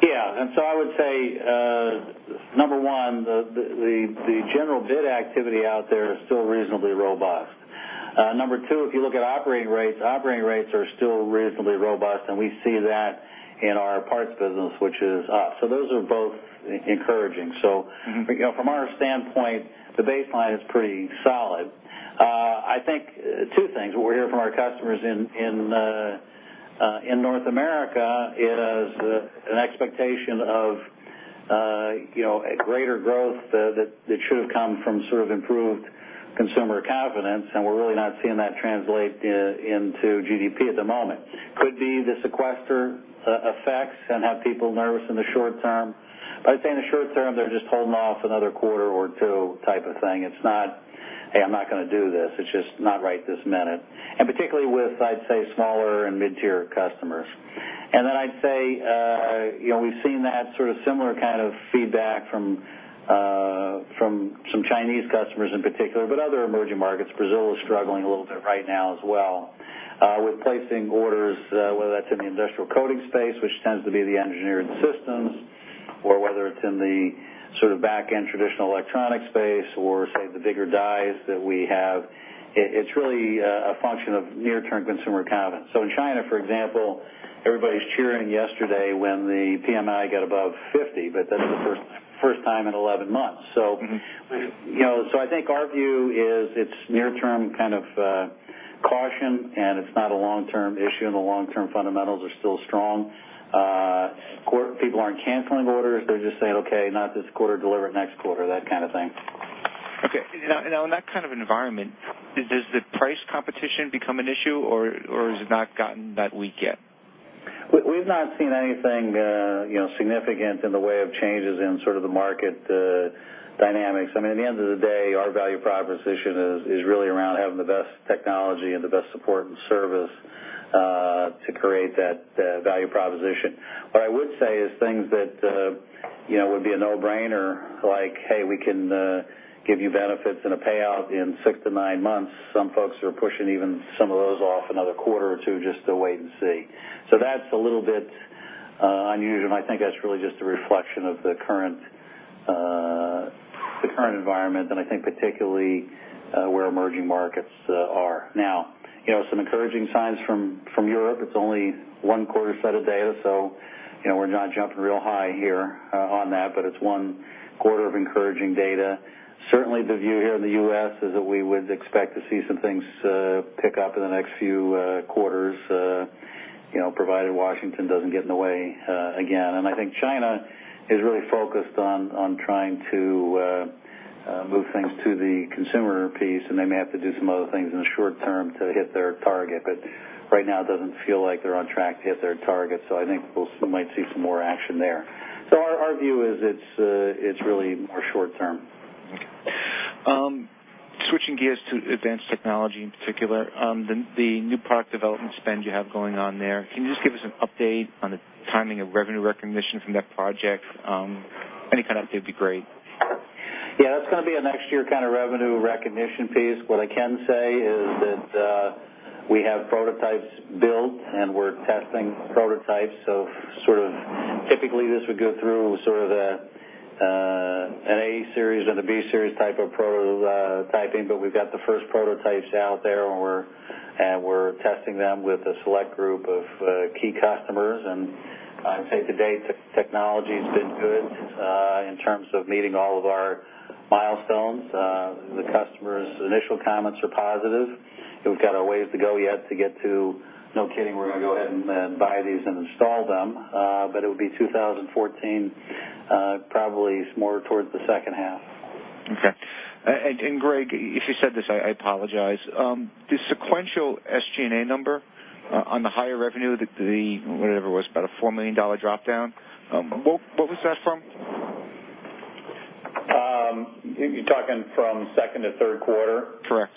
Speaker 3: Yeah. I would say, number one, the general bid activity out there is still reasonably robust. Number two, if you look at operating rates, operating rates are still reasonably robust, and we see that in our parts business, which is up. Those are both encouraging.
Speaker 9: Mm-hmm.
Speaker 3: You know, from our standpoint, the baseline is pretty solid. I think two things. What we hear from our customers in North America is an expectation of you know, a greater growth that should have come from sort of improved consumer confidence, and we're really not seeing that translate into GDP at the moment. Could be the sequester effects and have people nervous in the short term. I'd say in the short term, they're just holding off another quarter or two type of thing. It's not, "Hey, I'm not gonna do this." It's just not right this minute, and particularly with, I'd say, smaller and mid-tier customers. Then I'd say you know, we've seen that sort of similar kind of feedback from some Chinese customers in particular, but other emerging markets. Brazil is struggling a little bit right now as well with placing orders, whether that's in the Industrial Coating space, which tends to be the engineered systems, or whether it's in the sort of back-end traditional electronic space or, say, the bigger dies that we have. It's really a function of near-term consumer confidence. In China, for example, everybody's cheering yesterday when the PMI got above 50, but that's the first time in 11 months.
Speaker 9: Mm-hmm.
Speaker 3: You know, I think our view is it's near term kind of caution and it's not a long-term issue and the long-term fundamentals are still strong. People aren't canceling orders. They're just saying, "Okay, not this quarter. Deliver it next quarter," that kind of thing.
Speaker 9: Okay. Now in that kind of environment, does the price competition become an issue or has it not gotten that weak yet?
Speaker 3: We've not seen anything, you know, significant in the way of changes in sort of the market dynamics. I mean, at the end of the day, our value proposition is really around having the best technology and the best support and service to create that value proposition. What I would say is things that, you know, would be a no-brainer, like, hey, we can give you benefits and a payout in 6-9 months. Some folks are pushing even some of those off another quarter or two just to wait and see. That's a little bit unusual, and I think that's really just a reflection of the current environment and I think particularly where emerging markets are now. You know, some encouraging signs from Europe. It's only one quarter set of data, so, you know, we're not jumping real high here on that, but it's one quarter of encouraging data. Certainly, the view here in the U.S. is that we would expect to see some things pick up in the next few quarters, you know, provided Washington doesn't get in the way again. I think China is really focused on trying to move things to the consumer piece, and they may have to do some other things in the short term to hit their target. But right now it doesn't feel like they're on track to hit their target, so I think we'll still might see some more action there. Our view is it's really more short term.
Speaker 9: Okay. Switching gears to Advanced Technology in particular, the new product development spend you have going on there. Can you just give us an update on the timing of revenue recognition from that project? Any kind of update would be great.
Speaker 3: Yeah, that's gonna be a next year kind of revenue recognition piece. What I can say is that we have prototypes built, and we're testing prototypes. Sort of typically this would go through sort of a, an A series and a B series type of prototyping. We've got the first prototypes out there, and we're testing them with a select group of key customers. I'd say to date, technology's been good in terms of meeting all of our milestones. The customers' initial comments are positive. We've got a ways to go yet to get to, "No kidding, we're gonna go ahead and buy these and install them." It would be 2014, probably more towards the second half.
Speaker 9: Okay. Greg, if you said this, I apologize. The sequential SG&A number on the higher revenue, whatever it was, about a $4 million dropdown, what was that from?
Speaker 4: You're talking from second to third quarter?
Speaker 9: Correct.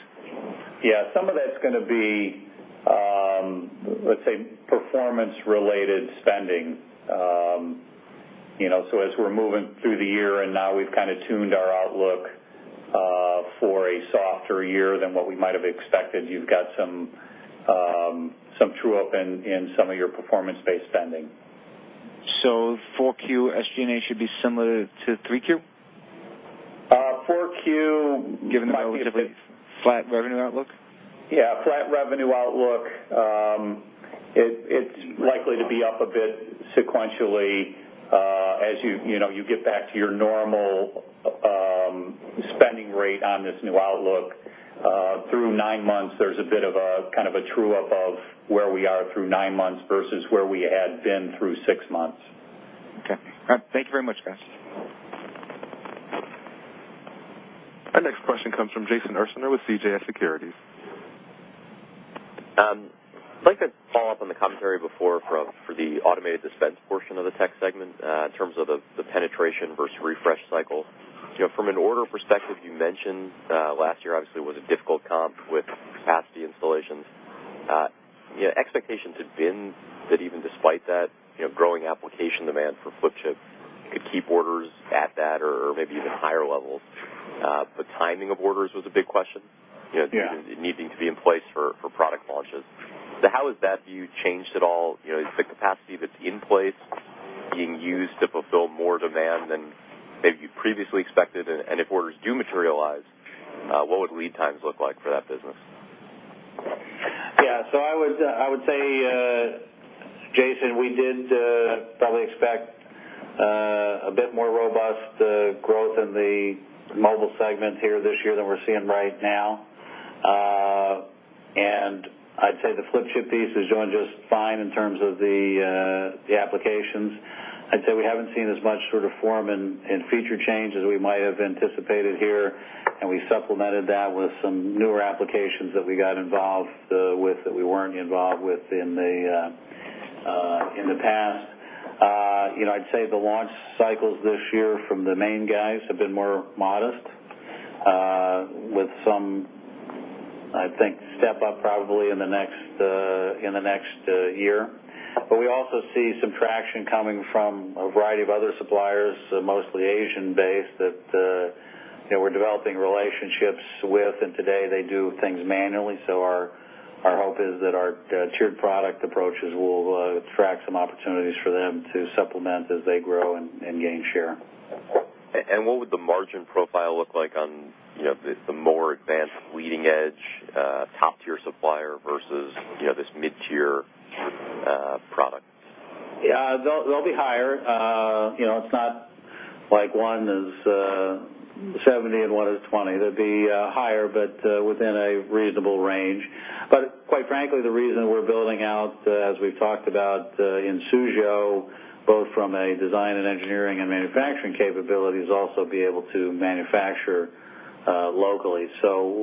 Speaker 4: Yeah, some of that's gonna be, let's say, performance-related spending. You know, as we're moving through the year, and now we've kinda tuned our outlook for a softer year than what we might have expected, you've got some true-up in some of your performance-based spending.
Speaker 9: 4Q SG&A should be similar to 3Q?
Speaker 4: 4Q might be a bit.
Speaker 9: Given that we see the flat revenue outlook.
Speaker 4: Yeah, flat revenue outlook. It's likely to be up a bit sequentially, as you know, you get back to your normal spending rate on this new outlook. Through nine months, there's a bit of a kind of a true up of where we are through nine months versus where we had been through six months.
Speaker 9: Okay. All right. Thank you very much, guys.
Speaker 1: Our next question comes from Jason Ursaner with CJS Securities.
Speaker 10: I'd like to follow up on the commentary before for the Automated Dispense portion of the tech segment, in terms of the penetration versus refresh cycle. You know, from an order perspective, you mentioned, last year obviously was a difficult comp with capacity installations. You know, expectations had been that even despite that, you know, growing application demand for flip chip could keep orders at that or maybe even higher levels. Timing of orders was a big question.
Speaker 3: Yeah.
Speaker 10: You know, it needing to be in place for product launches. How has that view changed at all? You know, is the capacity that's in place being used to fulfill more demand than maybe you previously expected? And if orders do materialize, what would lead times look like for that business?
Speaker 3: Yeah. I would say, Jason, we did probably expect a bit more robust growth in the mobile segment here this year than we're seeing right now. I'd say the flip chip piece is doing just fine in terms of the applications. I'd say we haven't seen as much sort of form and feature change as we might have anticipated here, and we supplemented that with some newer applications that we got involved with that we weren't involved with in the past. You know, I'd say the launch cycles this year from the main guys have been more modest with some, I think, step up probably in the next year. We also see some traction coming from a variety of other suppliers, mostly Asian-based that, you know, we're developing relationships with, and today they do things manually. Our hope is that our tiered product approaches will attract some opportunities for them to supplement as they grow and gain share.
Speaker 10: What would the margin profile look like on, you know, the more advanced leading edge, top-tier supplier versus, you know, this mid-tier product?
Speaker 3: Yeah. They'll be higher. You know, it's not like one is 70 and one is 20. They'll be higher but within a reasonable range. Quite frankly, the reason we're building out, as we've talked about, in Suzhou, both from a design and engineering and manufacturing capabilities, also be able to manufacture locally.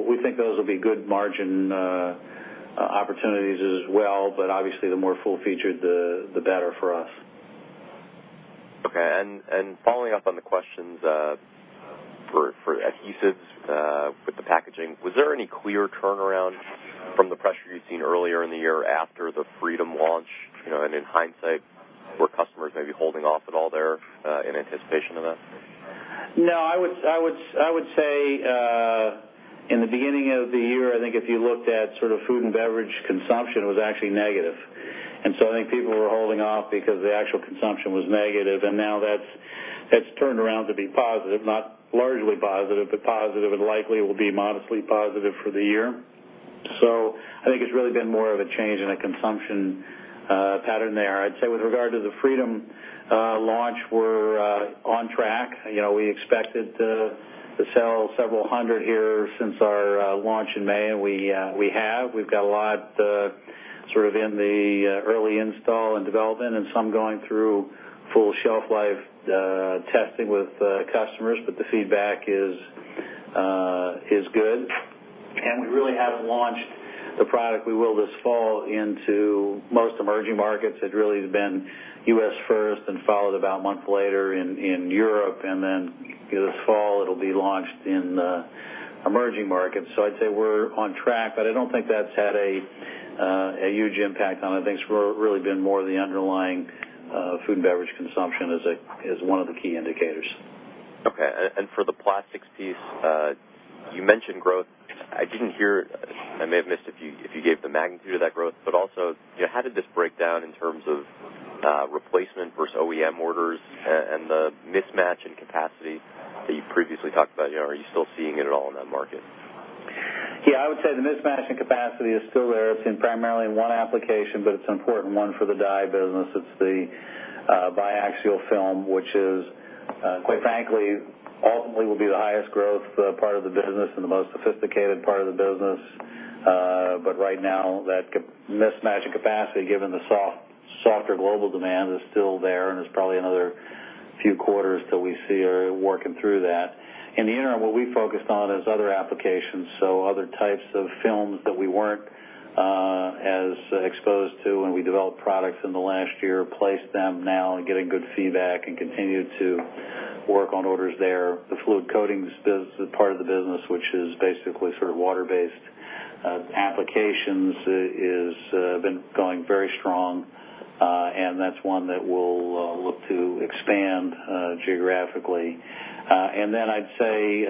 Speaker 3: We think those will be good margin opportunities as well. Obviously the more full-featured, the better for us.
Speaker 10: Following up on the questions for Adhesives with the packaging, was there any clear turnaround from the pressure you'd seen earlier in the year after the Freedom launch, you know? In hindsight, were customers maybe holding off at all there in anticipation of that?
Speaker 3: No. I would say in the beginning of the year, I think if you looked at sort of food and beverage consumption, it was actually negative. I think people were holding off because the actual consumption was negative, and now that's turned around to be positive. Not largely positive, but positive, and likely will be modestly positive for the year. I think it's really been more of a change in the consumption pattern there. I'd say with regard to the Freedom launch, we're on track. You know, we expected to sell several hundred here since our launch in May, and we have. We've got a lot sort of in the early install and development, and some going through full shelf life testing with customers, but the feedback is good. We really haven't launched the product. We will this fall into most emerging markets. It really has been U.S. first then followed about a month later in Europe, and then this fall it'll be launched in the emerging markets. I'd say we're on track, but I don't think that's had a huge impact on it. Things really been more of the underlying food and beverage consumption as one of the key indicators.
Speaker 10: Okay. For the plastics piece, you mentioned growth. I didn't hear, I may have missed if you gave the magnitude of that growth, but also, you know, how did this break down in terms of, replacement versus OEM orders and the mismatch in capacity that you previously talked about? You know, are you still seeing it at all in that market?
Speaker 3: Yeah, I would say the mismatch in capacity is still there. It's primarily in one application, but it's an important one for the die business. It's the biaxial film, which is quite frankly ultimately will be the highest growth part of the business and the most sophisticated part of the business. Right now that mismatch in capacity, given the softer global demand, is still there, and it's probably another few quarters till we see it working through that. In the interim, what we focused on is other applications, so other types of films that we weren't as exposed to when we developed products in the last year, placed them now and getting good feedback and continue to work on orders there. The fluid coating business, which is basically sort of water-based applications, is been going very strong. That's one that we'll look to expand geographically. I'd say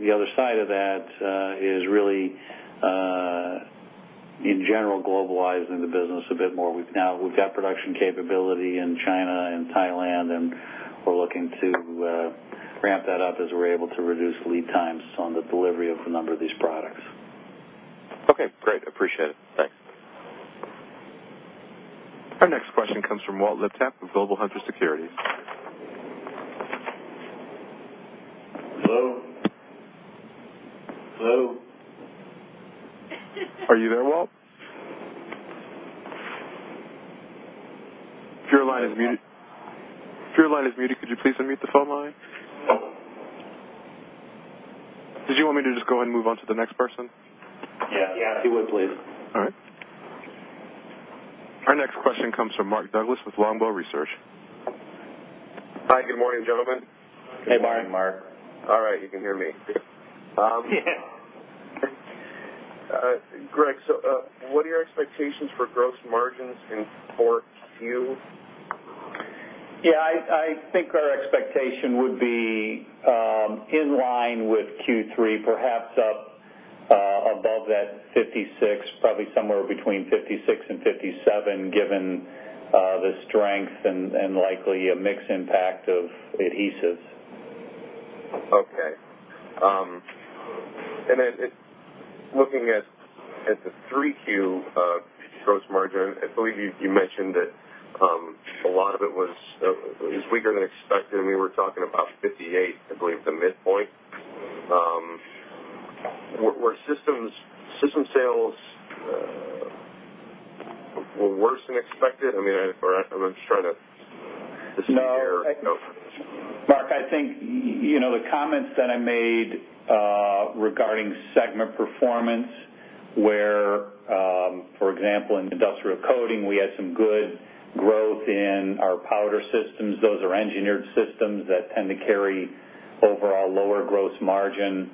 Speaker 3: the other side of that is really in general globalizing the business a bit more. We've got production capability in China and Thailand, and we're looking to ramp that up as we're able to reduce lead times on the delivery of a number of these products.
Speaker 10: Okay, great. Appreciate it. Thanks.
Speaker 1: Our next question comes from Walt Liptak of Global Hunter Securities. Hello? Hello? Are you there, Walter? Your line is muted. Your line is muted. Could you please unmute the phone line? Oh. Did you want me to just go ahead and move on to the next person? Yeah, yeah. If you would, please. All right. Our next question comes from Mark Douglass with Longbow Research.
Speaker 11: Hi. Good morning, gentlemen.
Speaker 3: Good morning, Mark.
Speaker 4: Hey, Mark.
Speaker 11: All right, you can hear me.
Speaker 3: Yeah.
Speaker 11: Greg, what are your expectations for gross margins in 4Q?
Speaker 4: Yeah, I think our expectation would be in line with Q3, perhaps up above that 56%, probably somewhere between 56% and 57%, given the strength and likely a mix impact of Adhesives.
Speaker 11: Okay. Looking at the 3Q gross margin, I believe you mentioned that a lot of it was weaker than expected, and we were talking about 58%, I believe, the midpoint. Were systems sales worse than expected? I mean, or I'm just trying to
Speaker 4: No.
Speaker 11: Okay.
Speaker 4: Mark, I think, you know, the comments that I made regarding segment performance where, for example, in Industrial Coating, we had some good growth in our powder systems. Those are engineered systems that tend to carry overall lower gross margin.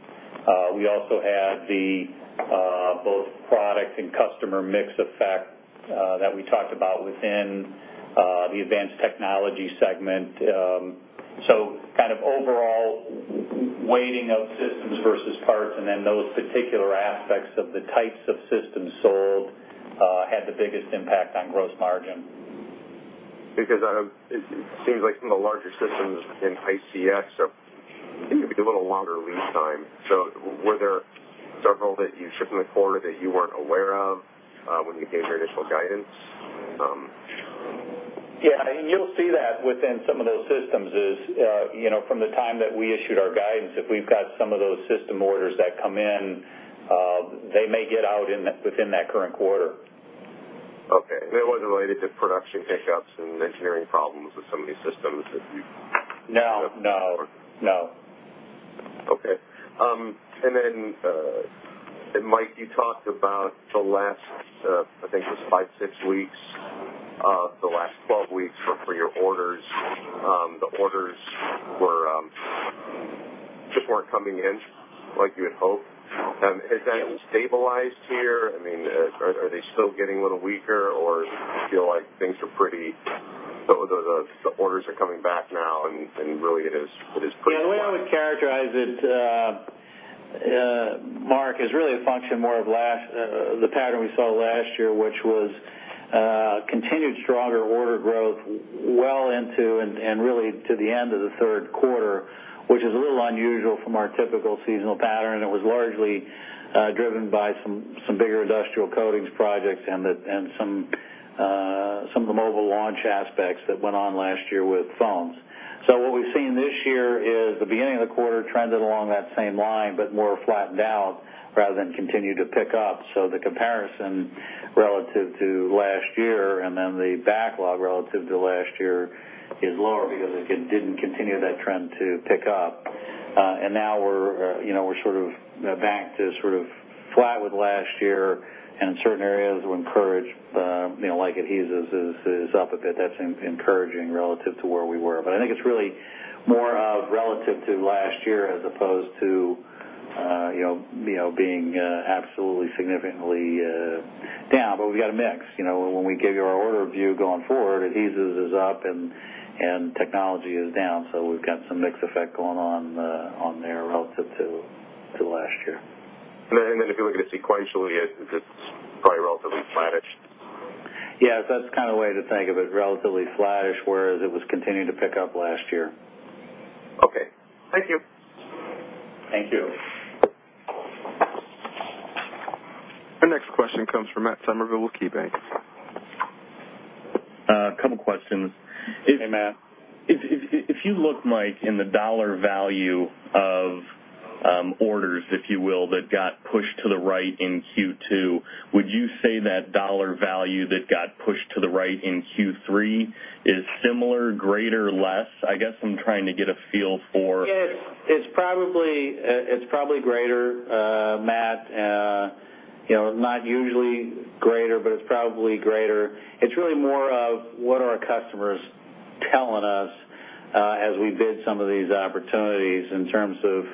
Speaker 4: We also had the both product and customer mix effect that we talked about within the Advanced Technology segment. Kind of overall weighting of systems versus parts and then those particular aspects of the types of systems sold had the biggest impact on gross margin.
Speaker 11: It seems like some of the larger systems in high CX are maybe a little longer lead time. Were there several that you shipped in the quarter that you weren't aware of, when you gave your initial guidance?
Speaker 4: Yeah, you'll see that within some of those systems is, you know, from the time that we issued our guidance, if we've got some of those system orders that come in, they may get out within that current quarter.
Speaker 11: Okay. It wasn't related to production hiccups and engineering problems with some of these systems that you
Speaker 4: No, no. No.
Speaker 11: Okay. Then, Mike, you talked about the last 12 weeks for your orders. The orders just weren't coming in like you had hoped. Has that stabilized here? I mean, are they still getting a little weaker, or do you feel like things are pretty. The orders are coming back now and really it is pretty.
Speaker 3: Yeah, the way I would characterize it, Mark, is really a function more of last, the pattern we saw last year, which was continued stronger order growth well into and really to the end of the third quarter, which is a little unusual from our typical seasonal pattern. It was largely driven by some bigger Industrial Coatings projects and some of the mobile launch aspects that went on last year with phones. What we've seen this year is the beginning of the quarter trended along that same line, but more flattened out rather than continue to pick up. The comparison relative to last year and then the backlog relative to last year is lower because it didn't continue that trend to pick up. Now we're, you know, we're sort of back to sort of flat with last year and in certain areas we're encouraged, you know, like Adhesives is up a bit. That's encouraging relative to where we were. I think it's really more a relative to last year as opposed to, you know, being absolutely significantly down. We got a mix, you know, when we give you our order view going forward, Adhesives is up and Technology is down. We've got some mix effect going on there relative to last year.
Speaker 12: If you look at it sequentially, it's probably relatively flattish.
Speaker 3: Yes, that's kind of way to think of it, relatively flattish, whereas it was continuing to pick up last year.
Speaker 11: Okay. Thank you.
Speaker 3: Thank you.
Speaker 1: Our next question comes from Matt Summerville with KeyBanc.
Speaker 13: A couple questions.
Speaker 3: Hey, Matt.
Speaker 13: If you look, Mike, in the dollar value of orders, if you will, that got pushed to the right in Q2, would you say that dollar value that got pushed to the right in Q3 is similar, greater, less? I guess I'm trying to get a feel for-
Speaker 3: It's probably greater, Matt. You know, not usually greater, but it's probably greater. It's really more of what are our customers telling us as we bid some of these opportunities in terms of,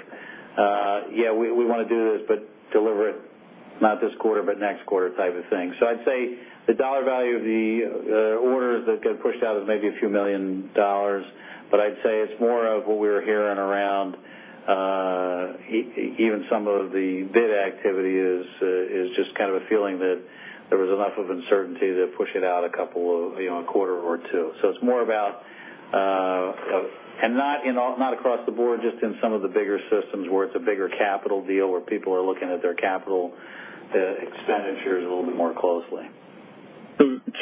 Speaker 3: yeah, we wanna do this, but deliver it not this quarter, but next quarter type of thing. I'd say the dollar value of the orders that get pushed out is maybe $ a few million, but I'd say it's more of what we're hearing around, even some of the bid activity is just kind of a feeling that there was enough of uncertainty to push it out a couple of, you know, a quarter or two. It's more about, you know, not across the board, just in some of the bigger systems where it's a bigger capital deal, where people are looking at their capital expenditures a little bit more closely.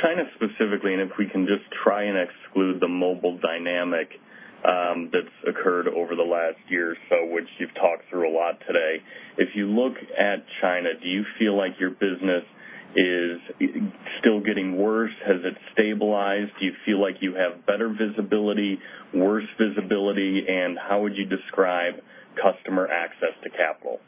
Speaker 13: China specifically, and if we can just try and exclude the mobile dynamic, that's occurred over the last year or so, which you've talked through a lot today. If you look at China, do you feel like your business is still getting worse? Has it stabilized? Do you feel like you have better visibility, worse visibility, and how would you describe customer access to capital?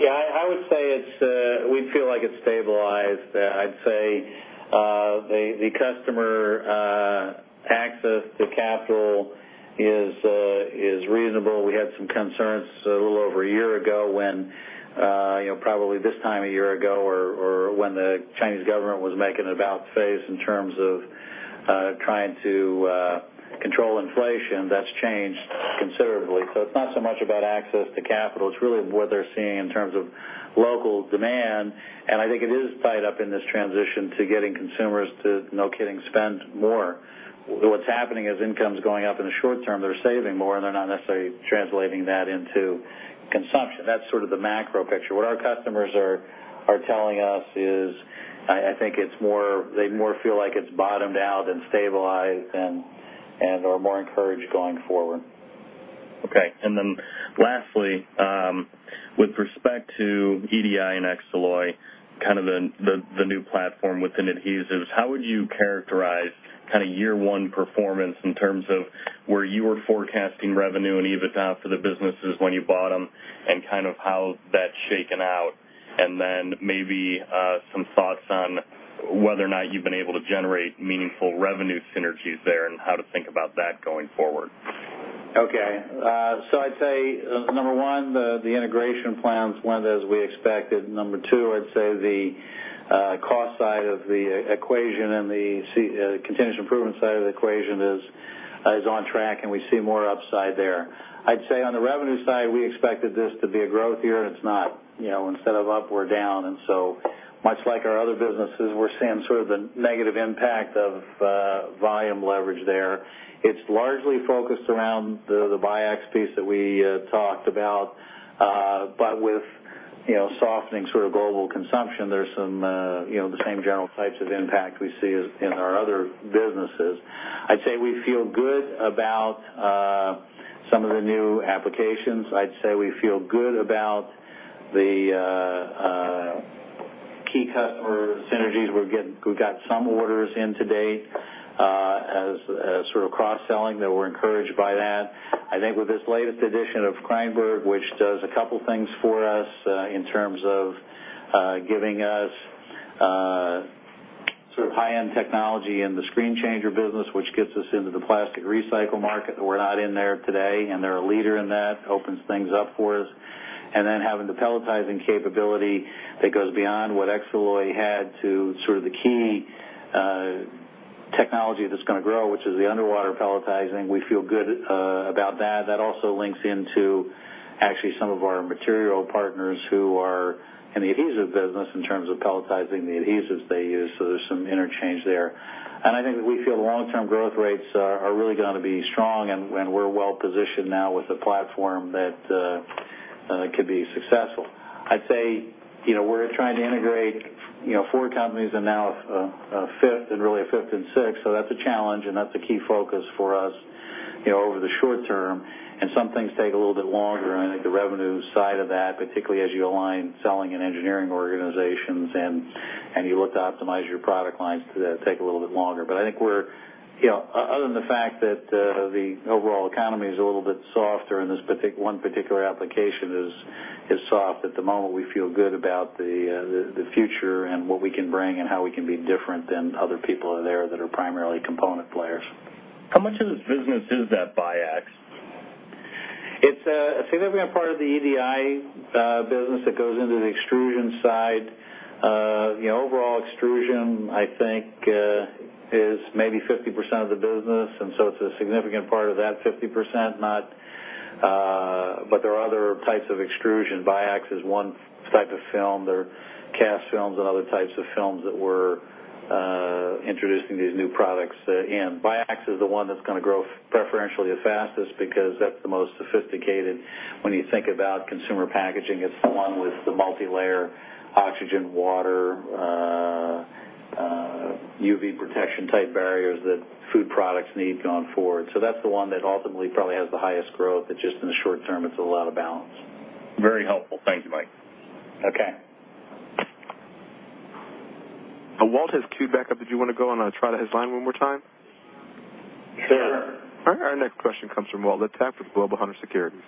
Speaker 3: Yeah, I would say it's we feel like it's stabilized. I'd say the customer access to capital is reasonable. We had some concerns a little over a year ago when you know, probably this time a year ago, or when the Chinese government was making an about-face in terms of trying to control inflation. That's changed considerably. It's not so much about access to capital, it's really what they're seeing in terms of local demand, and I think it is tied up in this transition to getting consumers to, no kidding, spend more. What's happening is income's going up in the short term, they're saving more, and they're not necessarily translating that into consumption. That's sort of the macro picture. What our customers are telling us is, I think it's more, they more feel like it's bottomed out and stabilized, and are more encouraged going forward.
Speaker 13: Okay. Lastly, with respect to EDI and Xaloy, kind of the new platform within Adhesives, how would you characterize kind of year one performance in terms of where you were forecasting revenue and EBITDA for the businesses when you bought them, and kind of how that's shaken out? Maybe some thoughts on whether or not you've been able to generate meaningful revenue synergies there and how to think about that going forward.
Speaker 3: Okay. I'd say number 1, the integration plans went as we expected. Number 2, I'd say the cost side of the equation and the continuous improvement side of the equation is on track, and we see more upside there. I'd say on the revenue side, we expected this to be a growth year, and it's not. You know, instead of up, we're down. Much like our other businesses, we're seeing sort of a negative impact of volume leverage there. It's largely focused around the Biax piece that we talked about. But with, you know, softening sort of global consumption, there's some, you know, the same general types of impact we see in our other businesses. I'd say we feel good about some of the new applications. I'd say we feel good about the key customer synergies. We've got some orders in to date, as sort of cross-selling that we're encouraged by that. I think with this latest addition of Kreyenborg, which does a couple things for us, in terms of, giving us, sort of high-end technology in the screen changer business, which gets us into the plastic recycle market that we're not in there today, and they're a leader in that, opens things up for us. Having the pelletizing capability that goes beyond what Xaloy had to sort of the key, technology that's gonna grow, which is the underwater pelletizing. We feel good about that. That also links into actually some of our material partners who are in the Adhesive business in terms of pelletizing the adhesives they use. There's some interchange there. I think we feel the long-term growth rates are really gonna be strong, and we're well positioned now with the platform that it could be successful. I'd say, you know, we're trying to integrate, you know, four companies and now a fifth and really a fifth and sixth. That's a challenge, and that's a key focus for us, you know, over the short term. Some things take a little bit longer. I think the revenue side of that, particularly as you align selling and engineering organizations and you look to optimize your product lines, take a little bit longer. I think we're, you know, other than the fact that the overall economy is a little bit softer and this particular application is soft at the moment, we feel good about the future and what we can bring and how we can be different than other people in there that are primarily component players.
Speaker 13: How much of this business is that Biax?
Speaker 3: It's a significant part of the EDI business that goes into the extrusion side. The overall extrusion, I think, is maybe 50% of the business, and so it's a significant part of that 50%, but there are other types of extrusion. Biax is one type of film. There are cast films and other types of films that we're introducing these new products in. Biax is the one that's gonna grow preferentially the fastest because that's the most sophisticated. When you think about consumer packaging, it's the one with the multilayer oxygen, water, UV protection type barriers that food products need going forward. That's the one that ultimately probably has the highest growth, but just in the short term, it's a lot of balance.
Speaker 13: Very helpful. Thank you, Mike.
Speaker 3: Okay.
Speaker 1: Walt has queued back up. Did you wanna go and try his line one more time?
Speaker 3: Sure.
Speaker 1: All right. Our next question comes from Walt Liptak with Global Hunter Securities.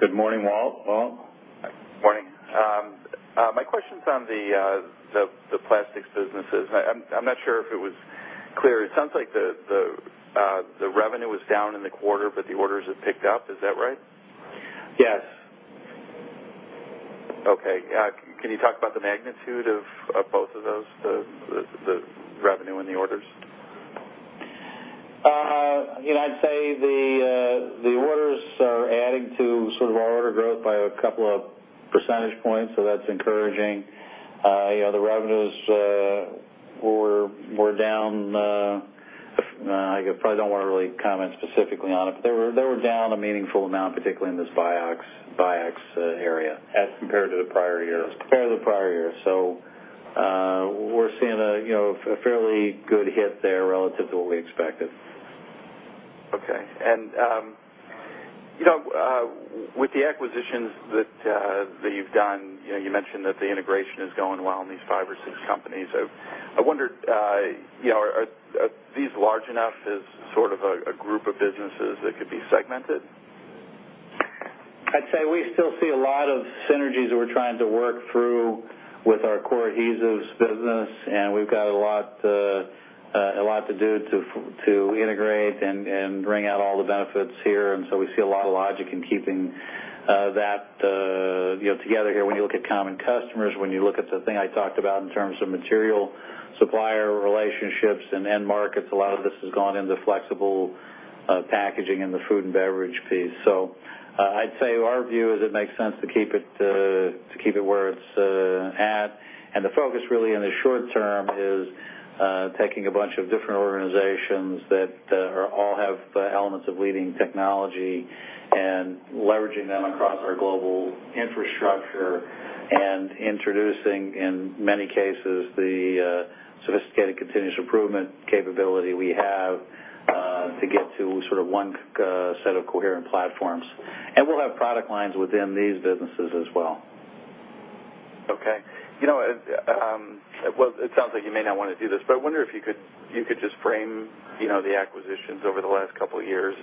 Speaker 3: Good morning, Walt. Walt?
Speaker 14: Morning. My question's on the plastics businesses. I'm not sure if it was clear. It sounds like the revenue was down in the quarter, but the orders have picked up. Is that right?
Speaker 3: Yes.
Speaker 14: Okay. Can you talk about the magnitude of both of those, the revenue and the orders?
Speaker 3: You know, I'd say the orders are adding to sort of our order growth by a couple of percentage points, so that's encouraging. You know, the revenues were down, I probably don't wanna really comment specifically on it. They were down a meaningful amount, particularly in this Biax area.
Speaker 14: As compared to the prior year.
Speaker 3: As compared to the prior year. We're seeing a, you know, a fairly good hit there relative to what we expected.
Speaker 14: Okay. With the acquisitions that you've done, you know, you mentioned that the integration is going well in these five or six companies. I wondered, you know, are these large enough as sort of a group of businesses that could be segmented?
Speaker 3: I'd say we still see a lot of synergies that we're trying to work through with our core Adhesives business, and we've got a lot to do to integrate and bring out all the benefits here. We see a lot of logic in keeping that you know together here. When you look at common customers, when you look at the thing I talked about in terms of material supplier relationships and end markets, a lot of this has gone into flexible packaging in the food and beverage piece. I'd say our view is it makes sense to keep it where it's at. The focus really in the short term is taking a bunch of different organizations that all have elements of leading technology and leveraging them across our global infrastructure and introducing, in many cases, the sophisticated continuous improvement capability we have to get to sort of one set of coherent platforms. We'll have product lines within these businesses as well.
Speaker 14: You know, well, it sounds like you may not wanna do this, but I wonder if you could just frame, you know, the acquisitions over the last couple years.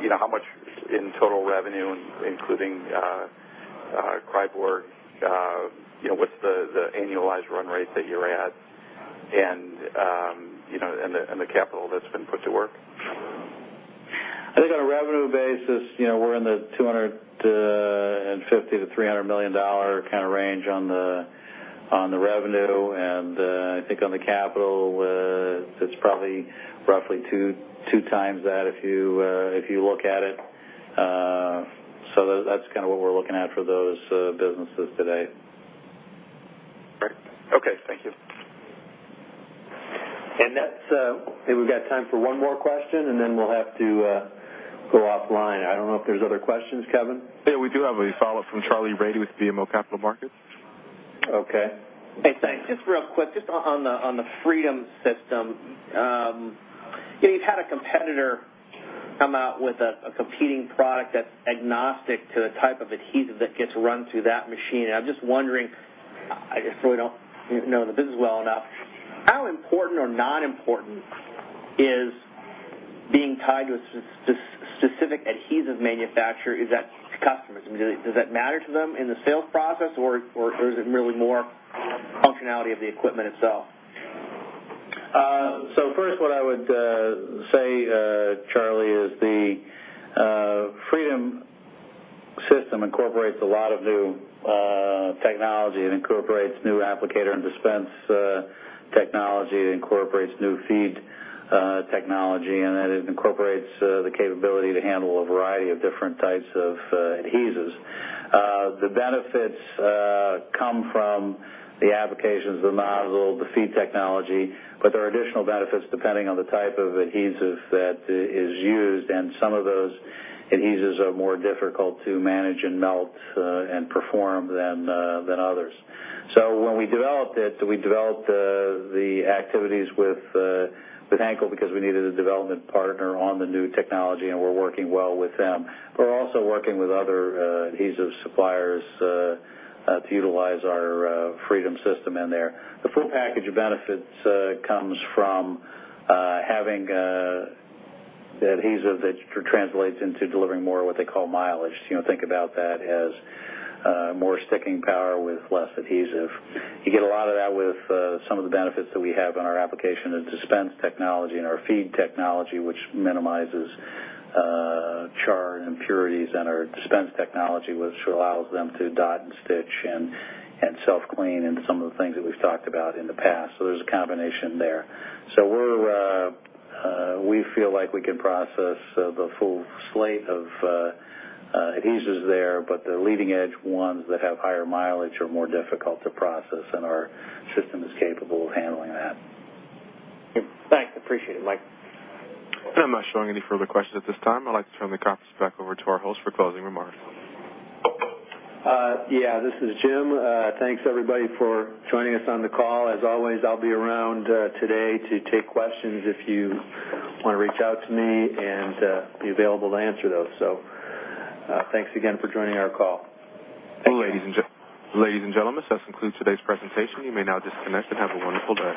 Speaker 14: You know, how much in total revenue, including Kreyenborg. You know, what's the annualized run rate that you're at? You know, and the capital that's been put to work.
Speaker 3: I think on a revenue basis, you know, we're in the $250-$300 million kinda range on the revenue. I think on the CapEx, it's probably roughly two times that if you look at it. That's kinda what we're looking at for those businesses today.
Speaker 14: Great. Okay, thank you.
Speaker 3: I think we've got time for one more question, and then we'll have to go offline. I don't know if there's other questions, Kevin.
Speaker 1: Yeah, we do have a follow-up from Charlie Brady with BMO Capital Markets.
Speaker 3: Okay.
Speaker 7: Hey, thanks. Just real quick, just on the Freedom System. You know, you've had a competitor come out with a competing product that's agnostic to the type of adhesive that gets run through that machine. I'm just wondering, I just really don't know the business well enough, how important or not important is being tied to a specific adhesive manufacturer? Is that to customers? I mean, does that matter to them in the sales process or is it really more functionality of the equipment itself?
Speaker 3: First, what I would say, Charlie, is the Freedom System incorporates a lot of new technology. It incorporates new applicator and dispensing technology. It incorporates new feed technology, and it incorporates the capability to handle a variety of different types of adhesives. The benefits come from the applicators, the nozzle, the feed technology, but there are additional benefits depending on the type of adhesive that is used, and some of those adhesives are more difficult to manage and melt and perform than others. When we developed it, we developed the activities with Henkel because we needed a development partner on the new technology, and we're working well with them. We're also working with other adhesive suppliers to utilize our Freedom System in there. The full package of benefits comes from having the adhesive that translates into delivering more of what they call mileage. You know, think about that as more sticking power with less adhesive. You get a lot of that with some of the benefits that we have in our application and dispense technology and our feed technology, which minimizes char and impurities, and our dispense technology, which allows them to dot and stitch and self-clean, and some of the things that we've talked about in the past. There's a combination there. We feel like we can process the full slate of adhesives there, but the leading edge ones that have higher mileage are more difficult to process, and our system is capable of handling that.
Speaker 7: Thanks. Appreciate it, Mike.
Speaker 1: I'm not showing any further questions at this time. I'd like to turn the conference back over to our host for closing remarks.
Speaker 2: Yeah, this is Jim. Thanks, everybody, for joining us on the call. As always, I'll be around today to take questions if you wanna reach out to me and be available to answer those. Thanks again for joining our call.
Speaker 1: Ladies and gentlemen, this does conclude today's presentation. You may now disconnect and have a wonderful day.